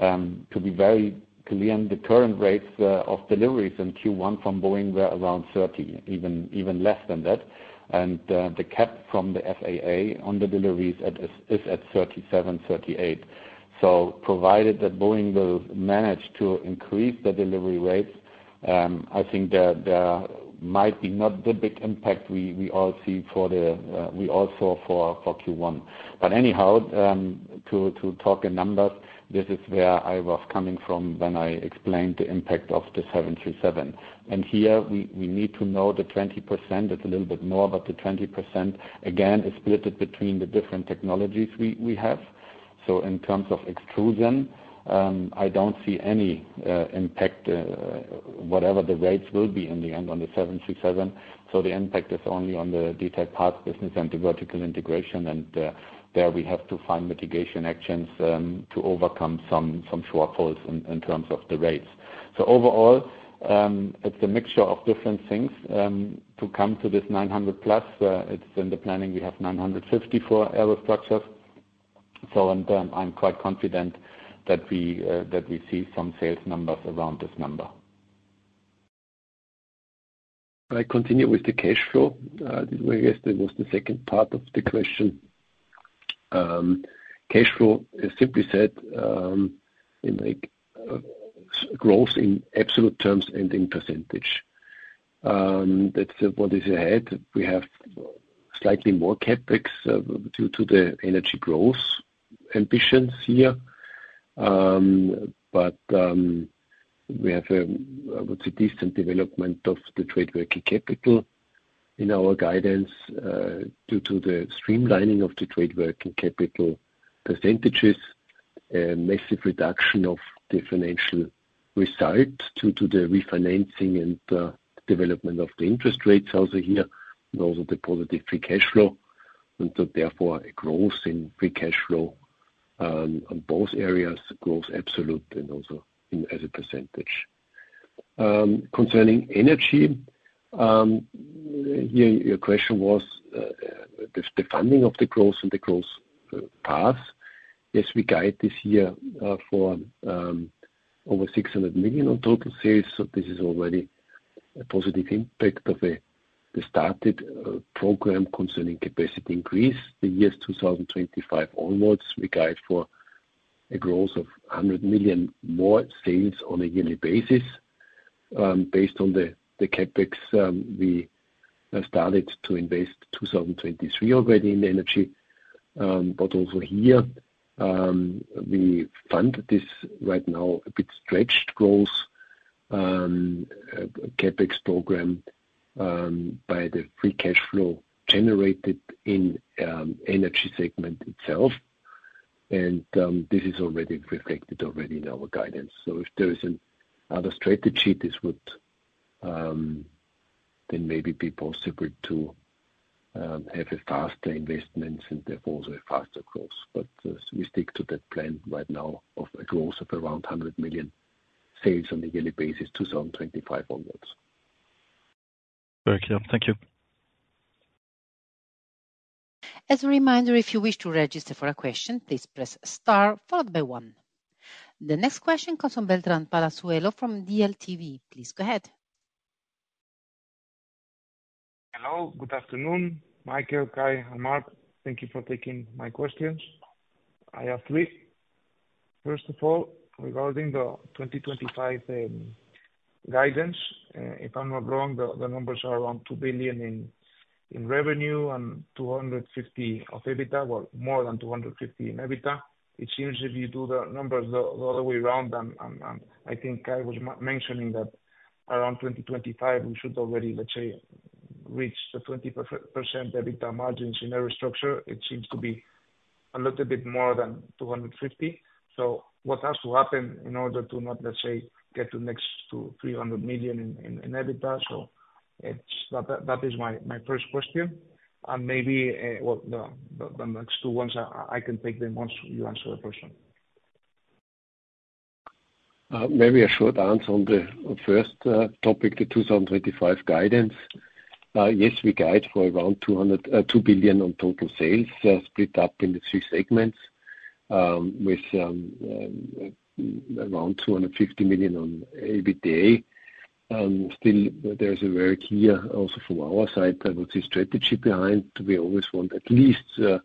To be very clear, the current rates of deliveries in Q1 from Boeing were around 30, even less than that. And the cap from the FAA on the deliveries is at 37-38. So provided that Boeing will manage to increase the delivery rates, I think that there might be not the big impact we all saw for Q1. But anyhow, to talk in numbers, this is where I was coming from when I explained the impact of the 737. And here we need to know the 20%. It's a little bit more, but the 20%, again, is split between the different technologies we have. So in terms of extrusion, I don't see any impact, whatever the rates will be in the end on the 737. So the impact is only on the detailed parts business and the vertical integration, and there we have to find mitigation actions to overcome some shortfalls in terms of the rates.... So overall, it's a mixture of different things to come to this 900+. It's in the planning. We have 950 for Aerostructures. So, I'm quite confident that we see some sales numbers around this number. I continue with the cash flow. Well, yes, that was the second part of the question. Cash flow is simply said in like growth in absolute terms and in percentage. That's what is ahead. We have slightly more CapEx due to the energy growth ambitions here. But, we have a, I would say, decent development of the trade working capital in our guidance, due to the streamlining of the trade working capital percentages, a massive reduction of the financial results due to the refinancing and development of the interest rates also here, and also the positive free cash flow. And so therefore, a growth in free cash flow, on both areas, growth absolute and also in as a percentage. Concerning energy, here your question was, the funding of the growth and the growth path. Yes, we guide this year for over 600 million on total sales, so this is already a positive impact of the started program concerning capacity increase. The years 2025 onwards, we guide for a growth of 100 million more sales on a yearly basis. Based on the CapEx, we started to invest 2023 already in energy. But also here, we fund this right now, a bit stretched growth, CapEx program, by the free cash flow generated in energy segment itself. And, this is already reflected already in our guidance. So if there is another strategy, this would then maybe be possible to have a faster investment and therefore also a faster growth. But, we stick to that plan right now of a growth of around 100 million sales on a yearly basis, 2025 onwards. Very clear. Thank you. As a reminder, if you wish to register for a question, please press star followed by one. The next question comes from Beltran Palazuelo from DLTV. Please go ahead. Hello, good afternoon, Michael, Kai, and Marc. Thank you for taking my questions. I have three. First of all, regarding the 2025 guidance, if I'm not wrong, the numbers are around 2 billion in revenue and 250 million EBITDA, well, more than 250 million in EBITDA. It seems if you do the numbers the other way around, and I think Kai was mentioning that around 2025, we should already, let's say, reach the 20% EBITDA margins in every structure. It seems to be a little bit more than 250 million. So what has to happen in order to not, let's say, get to next to 300 million in EBITDA? That is my first question. Maybe, well, the next two ones, I can take them once you answer that question. Maybe a short answer on the first topic, the 2025 guidance. Yes, we guide for around 202 billion on total sales, split up into 3 segments, with around 250 million on EBITDA. Still, there is a very clear, also from our side, I would say, strategy behind. We always want at least to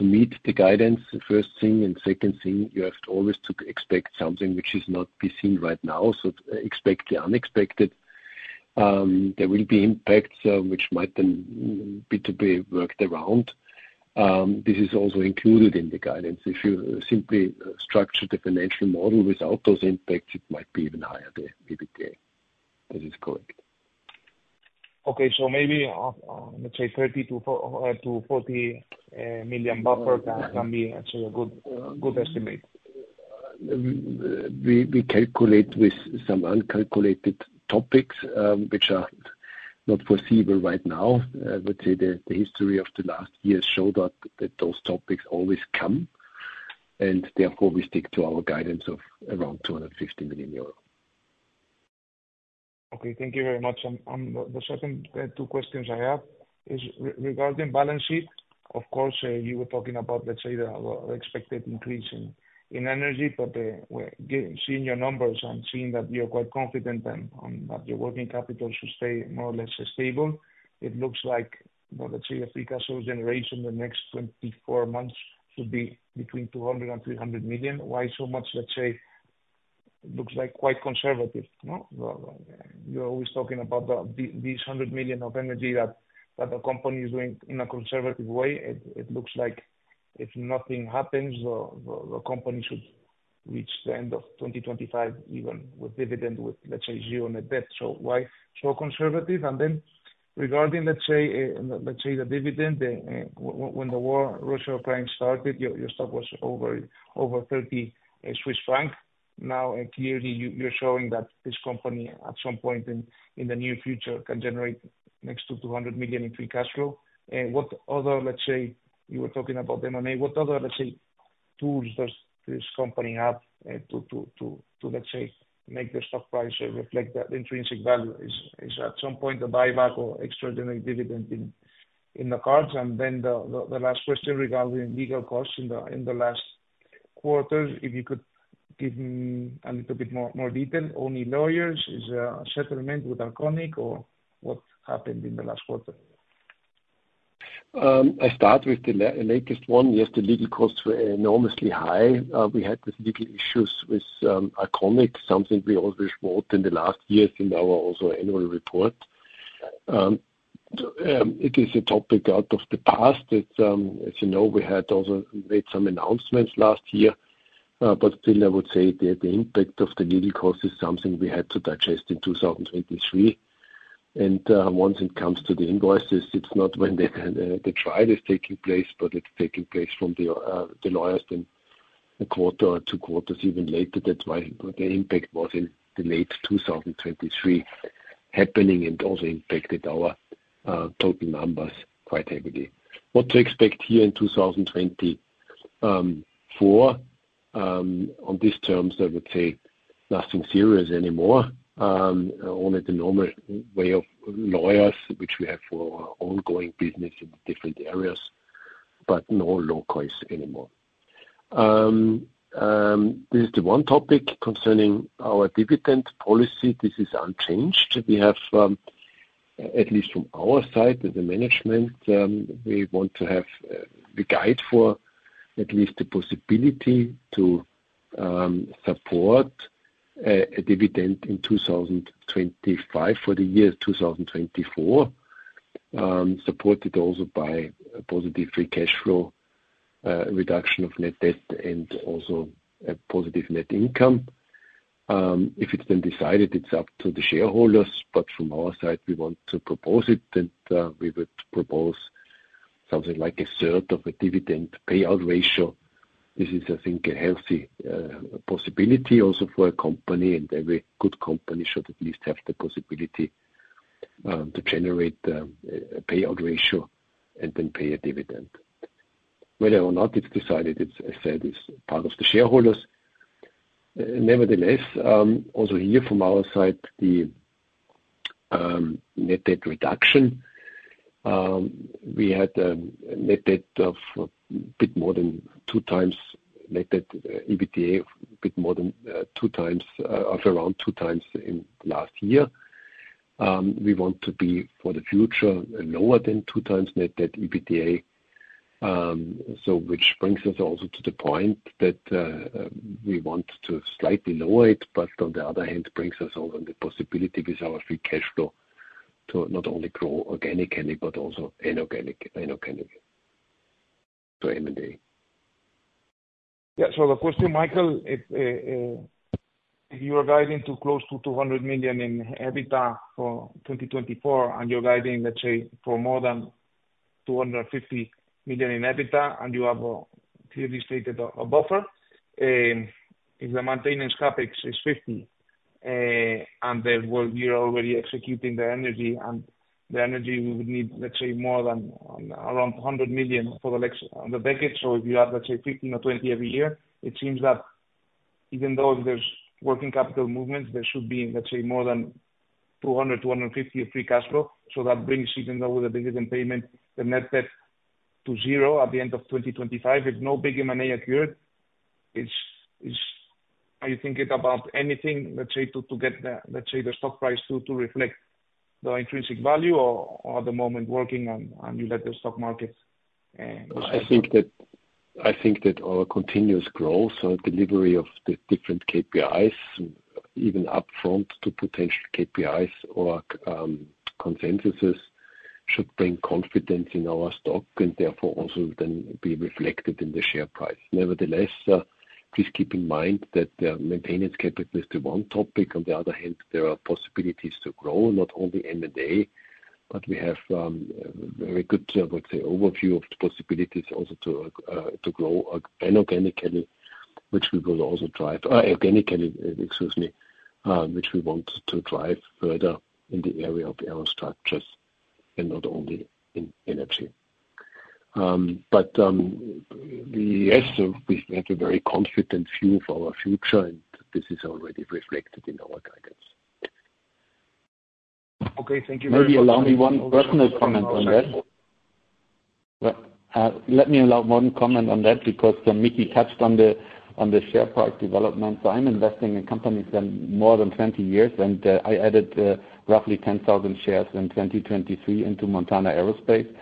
meet the guidance, the first thing, and second thing, you have to always to expect something which is not be seen right now. So expect the unexpected. There will be impacts, which might then need to be worked around. This is also included in the guidance. If you simply structure the financial model without those impacts, it might be even higher, the EBITDA. That is correct. Okay, so maybe, let's say 30-40 million buffer can be actually a good estimate. We calculate with some uncalculated topics, which are not foreseeable right now. I would say the history of the last years showed that those topics always come, and therefore, we stick to our guidance of around 250 million euros. Okay, thank you very much. And the second two questions I have is regarding balance sheet. Of course, you were talking about, let's say, the expected increase in energy, but we're seeing your numbers and seeing that you're quite confident and that your working capital should stay more or less stable, it looks like, let's say, a free cash flow generation in the next 24 months should be between 200 million and 300 million. Why so much? Let's say, it looks like quite conservative, no? You're always talking about these 100 million of energy that the company is doing in a conservative way. It looks like if nothing happens, the company should reach the end of 2025, even with dividend, with, let's say, zero on the debt. So why so conservative? Then regarding, let's say, the dividend, when the war, Russia-Ukraine started, your stock was over 30 Swiss franc. Now, clearly, you're showing that this company, at some point in the near future, can generate next to 200 million in free cash flow. What other tools does this company have to make the stock price reflect the intrinsic value? Is at some point the buyback or extraordinary dividend in the cards? And then the last question regarding legal costs in the last quarters, if you could give me a little bit more detail. Only lawyers, is a settlement with Arconic or what happened in the last quarter? I start with the latest one. Yes, the legal costs were enormously high. We had these legal issues with Arconic, something we always wrote in the last years in our also annual report. It is a topic out of the past that, as you know, we had also made some announcements last year. But still I would say that the impact of the legal cost is something we had to digest in 2023. Once it comes to the invoices, it's not when the the trial is taking place, but it's taking place from the, the lawyers then a quarter or two quarters even later. That's why the impact was in the late 2023 happening and also impacted our total numbers quite heavily. What to expect here in 2024 on these terms, I would say nothing serious anymore. Only the normal way of lawyers, which we have for our ongoing business in different areas, but no law case anymore. This is the one topic concerning our dividend policy. This is unchanged. We have, at least from our side, as the management, we want to have the guide for at least the possibility to support a dividend in 2025 for the year 2024. Supported also by a positive free cash flow, reduction of net debt, and also a positive net income. If it's been decided, it's up to the shareholders, but from our side, we want to propose it, and we would propose something like a third of the dividend payout ratio. This is, I think, a healthy possibility also for a company, and every good company should at least have the possibility to generate a payout ratio and then pay a dividend. Whether or not it's decided, it's, I said, it's part of the shareholders. Nevertheless, also here from our side, the net debt reduction. We had net debt of a bit more than 2x net debt/EBITDA, a bit more than 2x after around 2x in last year. We want to be, for the future, lower than 2x net debt/EBITDA. So which brings us also to the point that we want to slightly lower it, but on the other hand, brings us also the possibility with our free cash flow to not only grow organically, but also inorganic, inorganically, so M&A. Yeah. So the question, Michael, if you are guiding to close to 200 million in EBITDA for 2024, and you're guiding, let's say, for more than 250 million in EBITDA, and you have clearly stated a buffer, if the maintenance CapEx is 50 million, and then you're already executing the Energy and the Energy we would need, let's say more than around 100 million for the next, on the decade. So if you have, let's say, 15 or 20 million every year, it seems that even though there's working capital movements, there should be, let's say, more than 200-250 million free cash flow. So that brings even though the dividend payment, the net debt to zero at the end of 2025, if no big M&A occurred. Are you thinking about anything, let's say, to get the, let's say, the stock price to reflect the intrinsic value or at the moment working on you let the stock market? I think that our continuous growth or delivery of the different KPIs, even upfront to potential KPIs or consensuses, should bring confidence in our stock and therefore also then be reflected in the share price. Nevertheless, please keep in mind that the maintenance CapEx is the one topic. On the other hand, there are possibilities to grow, not only M&A, but we have very good with the overview of the possibilities also to to grow inorganically, which we will also drive... organically, excuse me, which we want to drive further in the area of Aerostructures and not only in Energy. But, we yes, so we have a very confident view of our future, and this is already reflected in our guidance. Okay, thank you very much. Maybe allow me one personal comment on that, because Mickey touched on the share price development. So I'm investing in companies for more than 20 years, and I added roughly 10,000 shares in 2023 into Montana Aerospace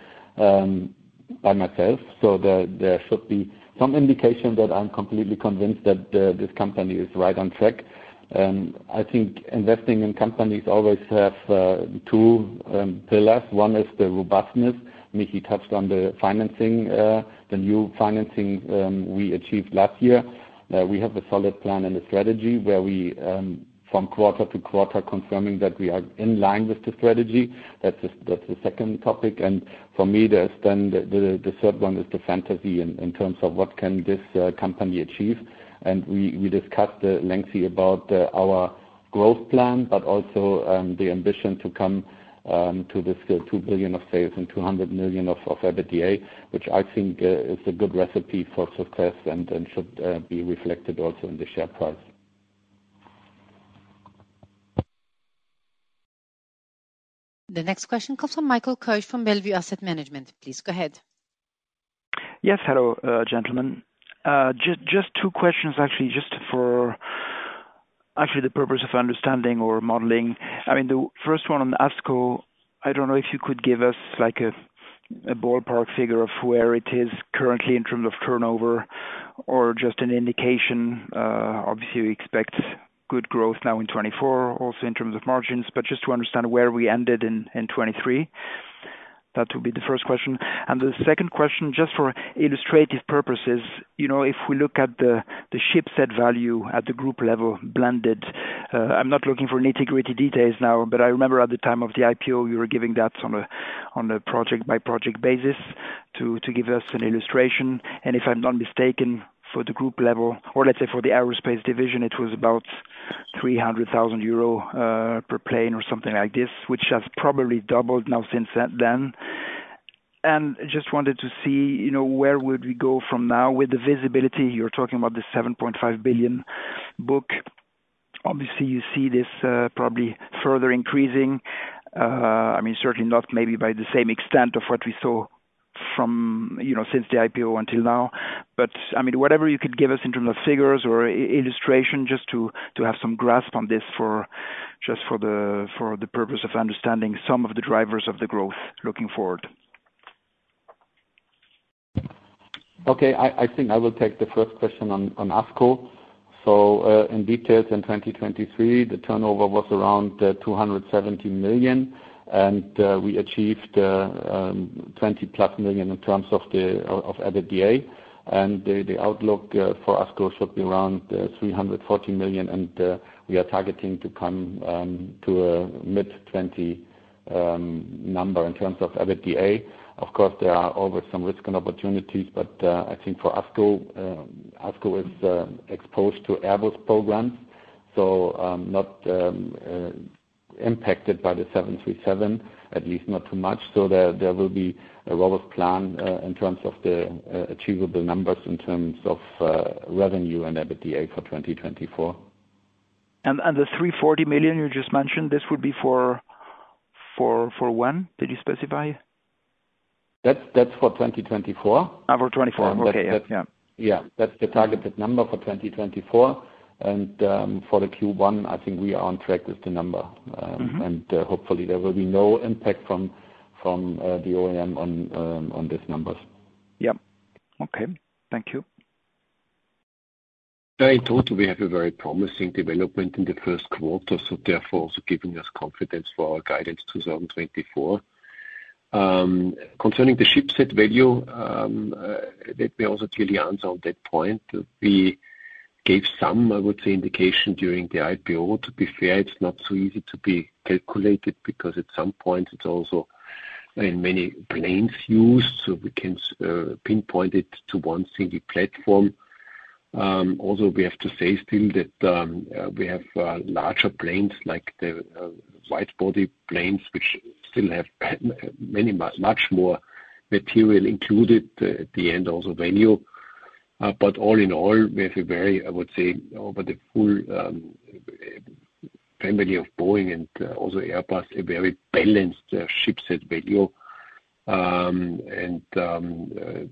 by myself. So there should be some indication that I'm completely convinced that this company is right on track. I think investing in companies always has 2 pillars. One is the robustness. Mickey touched on the financing, the new financing we achieved last year. We have a solid plan and a strategy where we from quarter to quarter confirm that we are in line with the strategy. That's the second topic, and for me, there's then the third one is the fantasy in terms of what can this company achieve. And we discussed lengthy about our-... growth plan, but also, the ambition to come to this 2 billion of sales and 200 million of EBITDA, which I think is a good recipe for success and should be reflected also in the share price. The next question comes from Michael Koch from Bellevue Asset Management. Please, go ahead. Yes. Hello, gentlemen. Just, just two questions, actually, just for actually the purpose of understanding or modeling. I mean, the first one on ASCO, I don't know if you could give us, like, a ballpark figure of where it is currently in terms of turnover or just an indication. Obviously, we expect good growth now in 2024, also in terms of margins, but just to understand where we ended in 2023. That would be the first question. And the second question, just for illustrative purposes, you know, if we look at the shipset value at the group level, blended. I'm not looking for nitty-gritty details now, but I remember at the time of the IPO, you were giving that on a project-by-project basis to give us an illustration. If I'm not mistaken, for the group level, or let's say for the aerospace division, it was about 300,000 euro per plane or something like this, which has probably doubled now since that then. Just wanted to see, you know, where would we go from now with the visibility. You're talking about the 7.5 billion book. Obviously, you see this probably further increasing. I mean, certainly not maybe by the same extent of what we saw from, you know, since the IPO until now. But, I mean, whatever you could give us in terms of figures or illustration, just to have some grasp on this, just for the purpose of understanding some of the drivers of the growth looking forward. Okay. I think I will take the first question on ASCO. So, in detail, in 2023, the turnover was around 270 million, and we achieved 20+ million in terms of EBITDA. And the outlook for ASCO should be around 340 million, and we are targeting to come to a mid-20 number in terms of EBITDA. Of course, there are always some risk and opportunities, but I think for ASCO, ASCO is exposed to Airbus programs, so not impacted by the 737, at least not too much. So there will be a robust plan in terms of the achievable numbers, in terms of revenue and EBITDA for 2024. The 340 million you just mentioned, this would be for when? Did you specify? That's for 2024. Ah, for 2024. Okay. Yeah. Yeah. That's the targeted number for 2024. And for the Q1, I think we are on track with the number. Mm-hmm. Hopefully there will be no impact from the OEM on these numbers. Yep. Okay. Thank you. I thought we have a very promising development in the first quarter, so therefore, also giving us confidence for our guidance 2024. Concerning the shipset value, let me also clearly answer on that point. We gave some, I would say, indication during the IPO. To be fair, it's not so easy to be calculated, because at some point it's also in many planes used, so we can't pinpoint it to one single platform. Also, we have to say still that we have larger planes, like the wide-body planes, which still have many, much more material included at the end, also value. But all in all, we have a very, I would say, over the full family of Boeing and also Airbus, a very balanced shipset value.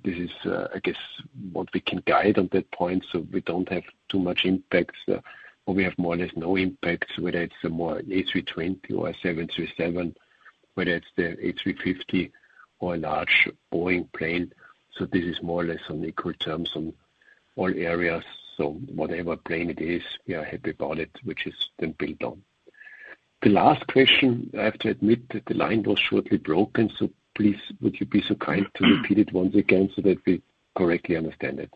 This is, I guess what we can guide on that point, so we don't have too much impacts, or we have more or less no impacts, whether it's a more A320 or a 737, whether it's the A350 or a large Boeing plane. This is more or less on equal terms on all areas. Whatever plane it is, we are happy about it, which is then built on. The last question, I have to admit that the line was shortly broken, so please, would you be so kind to repeat it once again so that we correctly understand it?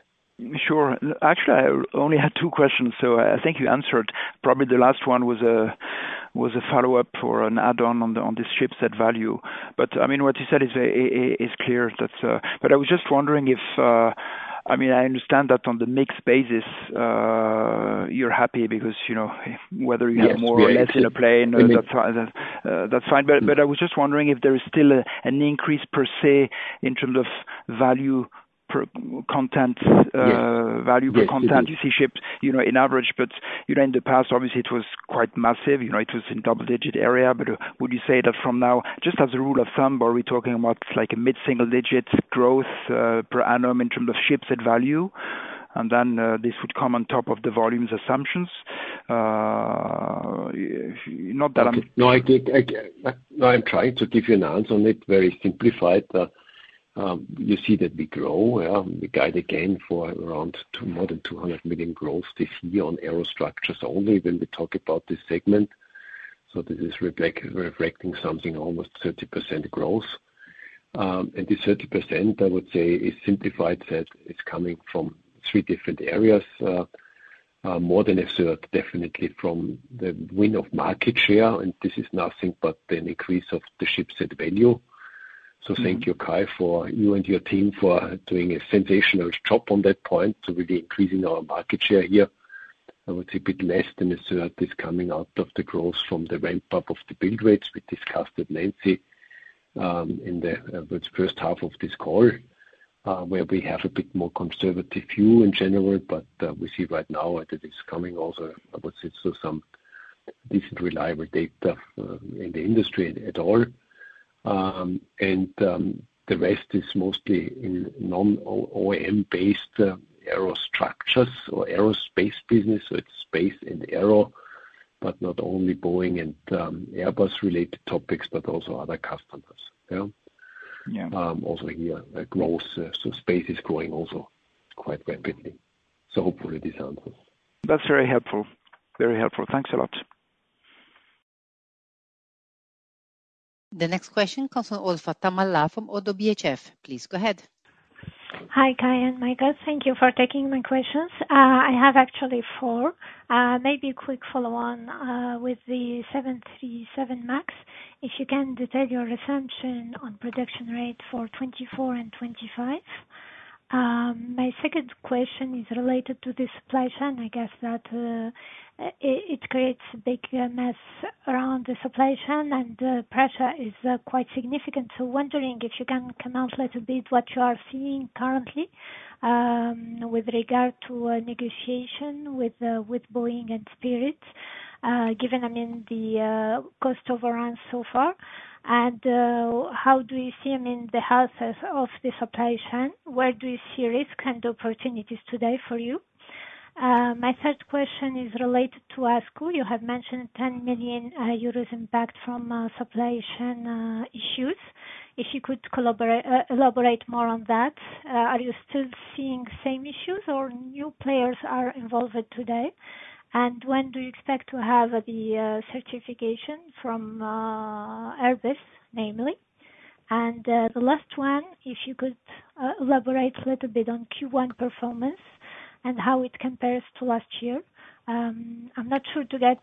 Sure. Actually, I only had two questions, so I think you answered probably the last one was a follow-up or an add-on on the shipset value. But I mean, what you said is clear. That's... But I was just wondering if, I mean, I understand that on the mixed basis, you're happy because, you know, whether you have more- Yes. or less in a plane, that's fine. But I was just wondering if there is still an increase, per se, in terms of value per content. Yes. Value per content you see shipped, you know, in average, but, you know, in the past, obviously, it was quite massive. You know, it was in double-digit area. But would you say that from now, just as a rule of thumb, are we talking about like a mid-single digit growth, per annum in terms of shipset value? And then, this would come on top of the volumes assumptions. Not that I'm- No, I get. No, I'm trying to give you an answer on it, very simplified. You see that we grow, yeah. We guide again for around 200, more than 200 million growth this year on aerostructures only when we talk about this segment. So this is reflect, reflecting something, almost 30% growth. And this 30%, I would say, is simplified, that it's coming from three different areas, more than a third, definitely from the win of market share, and this is nothing but an increase of the shipset value. ... So thank you, Kai, for you and your team, for doing a sensational job on that point. So we'll be increasing our market share here. I would say a bit less than a third is coming out of the growth from the ramp-up of the build rates. We discussed with Mickey in the first half of this call where we have a bit more conservative view in general, but we see right now that it's coming also. I would say so some decent reliable data in the industry at all. And the rest is mostly in non-OEM based aerostructures or aerospace business, so it's space and aero, but not only Boeing and Airbus related topics, but also other customers. Yeah. Yeah. Also here, the growth, so space is growing also quite rapidly. So hopefully this helps you. That's very helpful. Very helpful. Thanks a lot. The next question comes from Olfa Taamallah from ODDO BHF. Please go ahead. Hi, Kai and Michael. Thank you for taking my questions. I have actually four. Maybe a quick follow on with the 777X. If you can detail your assumption on production rate for 2024 and 2025. My second question is related to the supply chain. I guess that it creates a big mess around the supply chain, and the pressure is quite significant. So wondering if you can comment a little bit what you are seeing currently with regard to a negotiation with Boeing and Spirit given, I mean, the cost overruns so far. And how do you see, I mean, the health of the supply chain? Where do you see risk and opportunities today for you? My third question is related to ASCO. You have mentioned 10 million euros impact from supply chain issues. If you could elaborate more on that. Are you still seeing same issues or new players are involved today? And when do you expect to have the certification from Airbus, namely? And the last one, if you could elaborate a little bit on Q1 performance and how it compares to last year. I'm not sure to get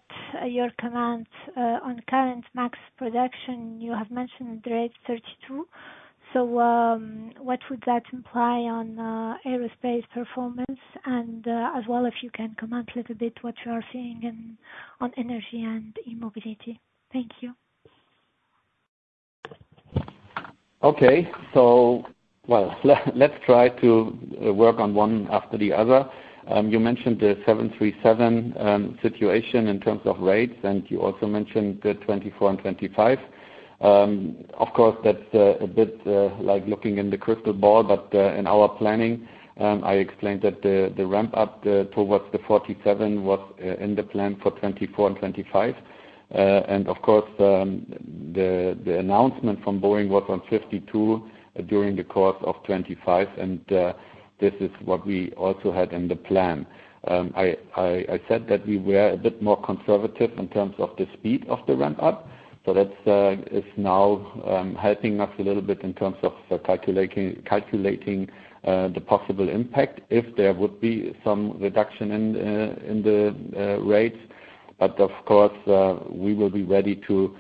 your comment on current MAX production. You have mentioned the rate 32. So, what would that imply on aerospace performance? And as well, if you can comment a little bit what you are seeing in on energy and eMobility. Thank you. Okay. So well, let's try to work on one after the other. You mentioned the 737 situation in terms of rates, and you also mentioned the 2024 and 2025. Of course, that's a bit like looking in the crystal ball, but in our planning, I explained that the ramp up towards the 47 was in the plan for 2024 and 2025. And of course, the announcement from Boeing was on 52 during the course of 2025, and this is what we also had in the plan. I said that we were a bit more conservative in terms of the speed of the ramp up, so that is now helping us a little bit in terms of calculating the possible impact if there would be some reduction in the rates. But of course, we will be ready to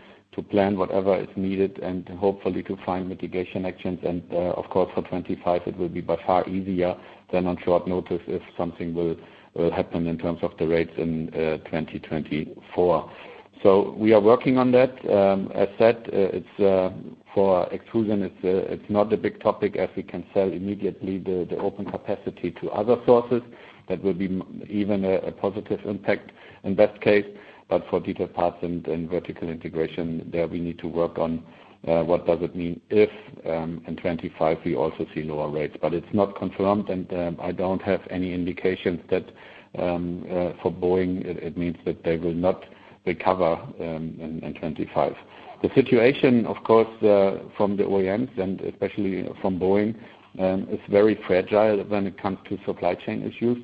plan whatever is needed and hopefully to find mitigation actions. And of course, for 25 it will be by far easier than on short notice, if something will happen in terms of the rates in 2024. So we are working on that. As said, it's for extrusion, it's not a big topic as we can sell immediately the open capacity to other sources. That will be even a positive impact in best case. But for detailed parts and vertical integration, there we need to work on what does it mean if in 2025 we also see lower rates. But it's not confirmed, and I don't have any indications that for Boeing, it means that they will not recover in 2025. The situation, of course, from the OEMs and especially from Boeing, is very fragile when it comes to supply chain issues.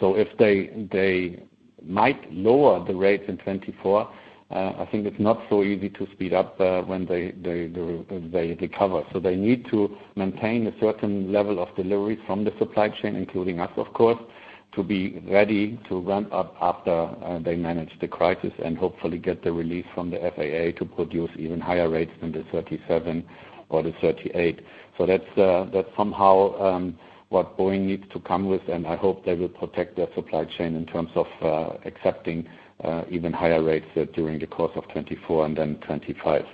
So if they might lower the rates in 2024, I think it's not so easy to speed up when they recover. So they need to maintain a certain level of delivery from the supply chain, including us, of course, to be ready to ramp up after they manage the crisis and hopefully get the release from the FAA to produce even higher rates than the 37 or the 38. So that's somehow what Boeing needs to come with, and I hope they will protect their supply chain in terms of accepting even higher rates during the course of 2024 and then 2025.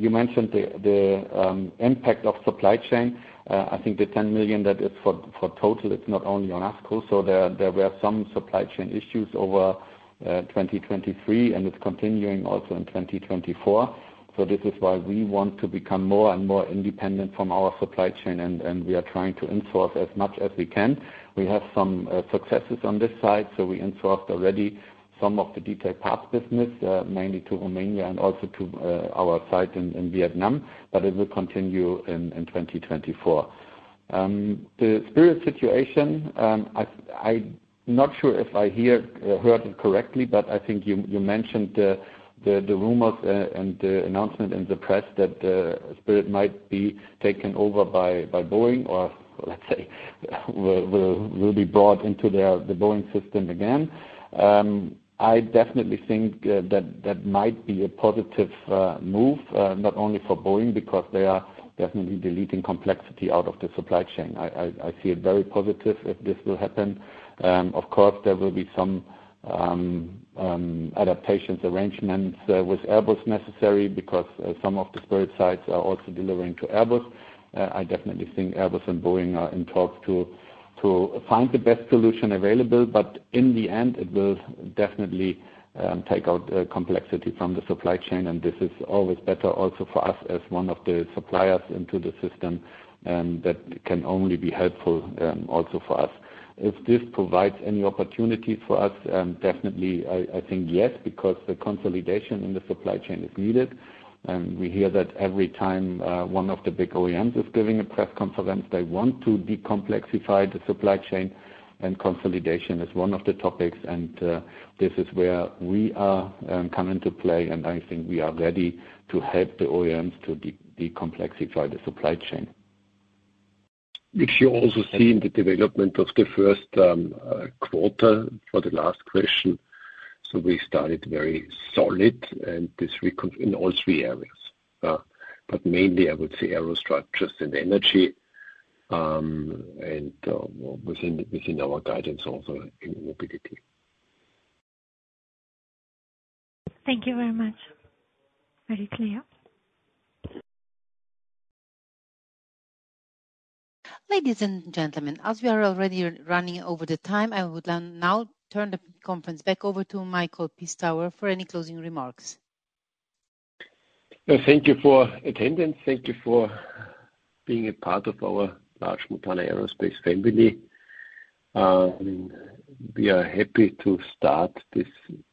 You mentioned the impact of supply chain. I think the 10 million, that is for total, it's not only on ASCO. So there were some supply chain issues over 2023, and it's continuing also in 2024. So this is why we want to become more and more independent from our supply chain, and we are trying to in-source as much as we can. We have some successes on this side, so we in-sourced already some of the detailed parts business, mainly to Romania and also to our site in Vietnam, but it will continue in 2024. The Spirit situation, I not sure if I heard it correctly, but I think you mentioned the rumors and the announcement in the press that Spirit might be taken over by Boeing, or let's say, will be brought into their the Boeing system again. I definitely think that might be a positive move, not only for Boeing, because they are definitely deleting complexity out of the supply chain. I see it very positive if this will happen. Of course, there will be some adaptations, arrangements with Airbus necessary because some of the Spirit sites are also delivering to Airbus. I definitely think Airbus and Boeing are in talks to find the best solution available, but in the end, it will definitely take out complexity from the supply chain, and this is always better also for us as one of the suppliers into the system, that can only be helpful also for us. If this provides any opportunities for us, definitely I think yes, because the consolidation in the supply chain is needed. We hear that every time one of the big OEMs is giving a press conference, they want to de-complexify the supply chain, and consolidation is one of the topics. This is where we come into play, and I think we are ready to help the OEMs to de-complexify the supply chain. If you also see in the development of the first quarter for the last question, so we started very solid, and this in all three areas. But mainly I would say Aerostructures and energy, and within our guidance, also in E-Mobility. Thank you very much. Very clear. Ladies and gentlemen, as we are already running over the time, I would now turn the conference back over to Michael Pistauer for any closing remarks. Thank you for attendance. Thank you for being a part of our large Montana Aerospace family. We are happy to start this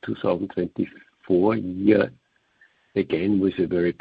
2024 year, again, with a very positive-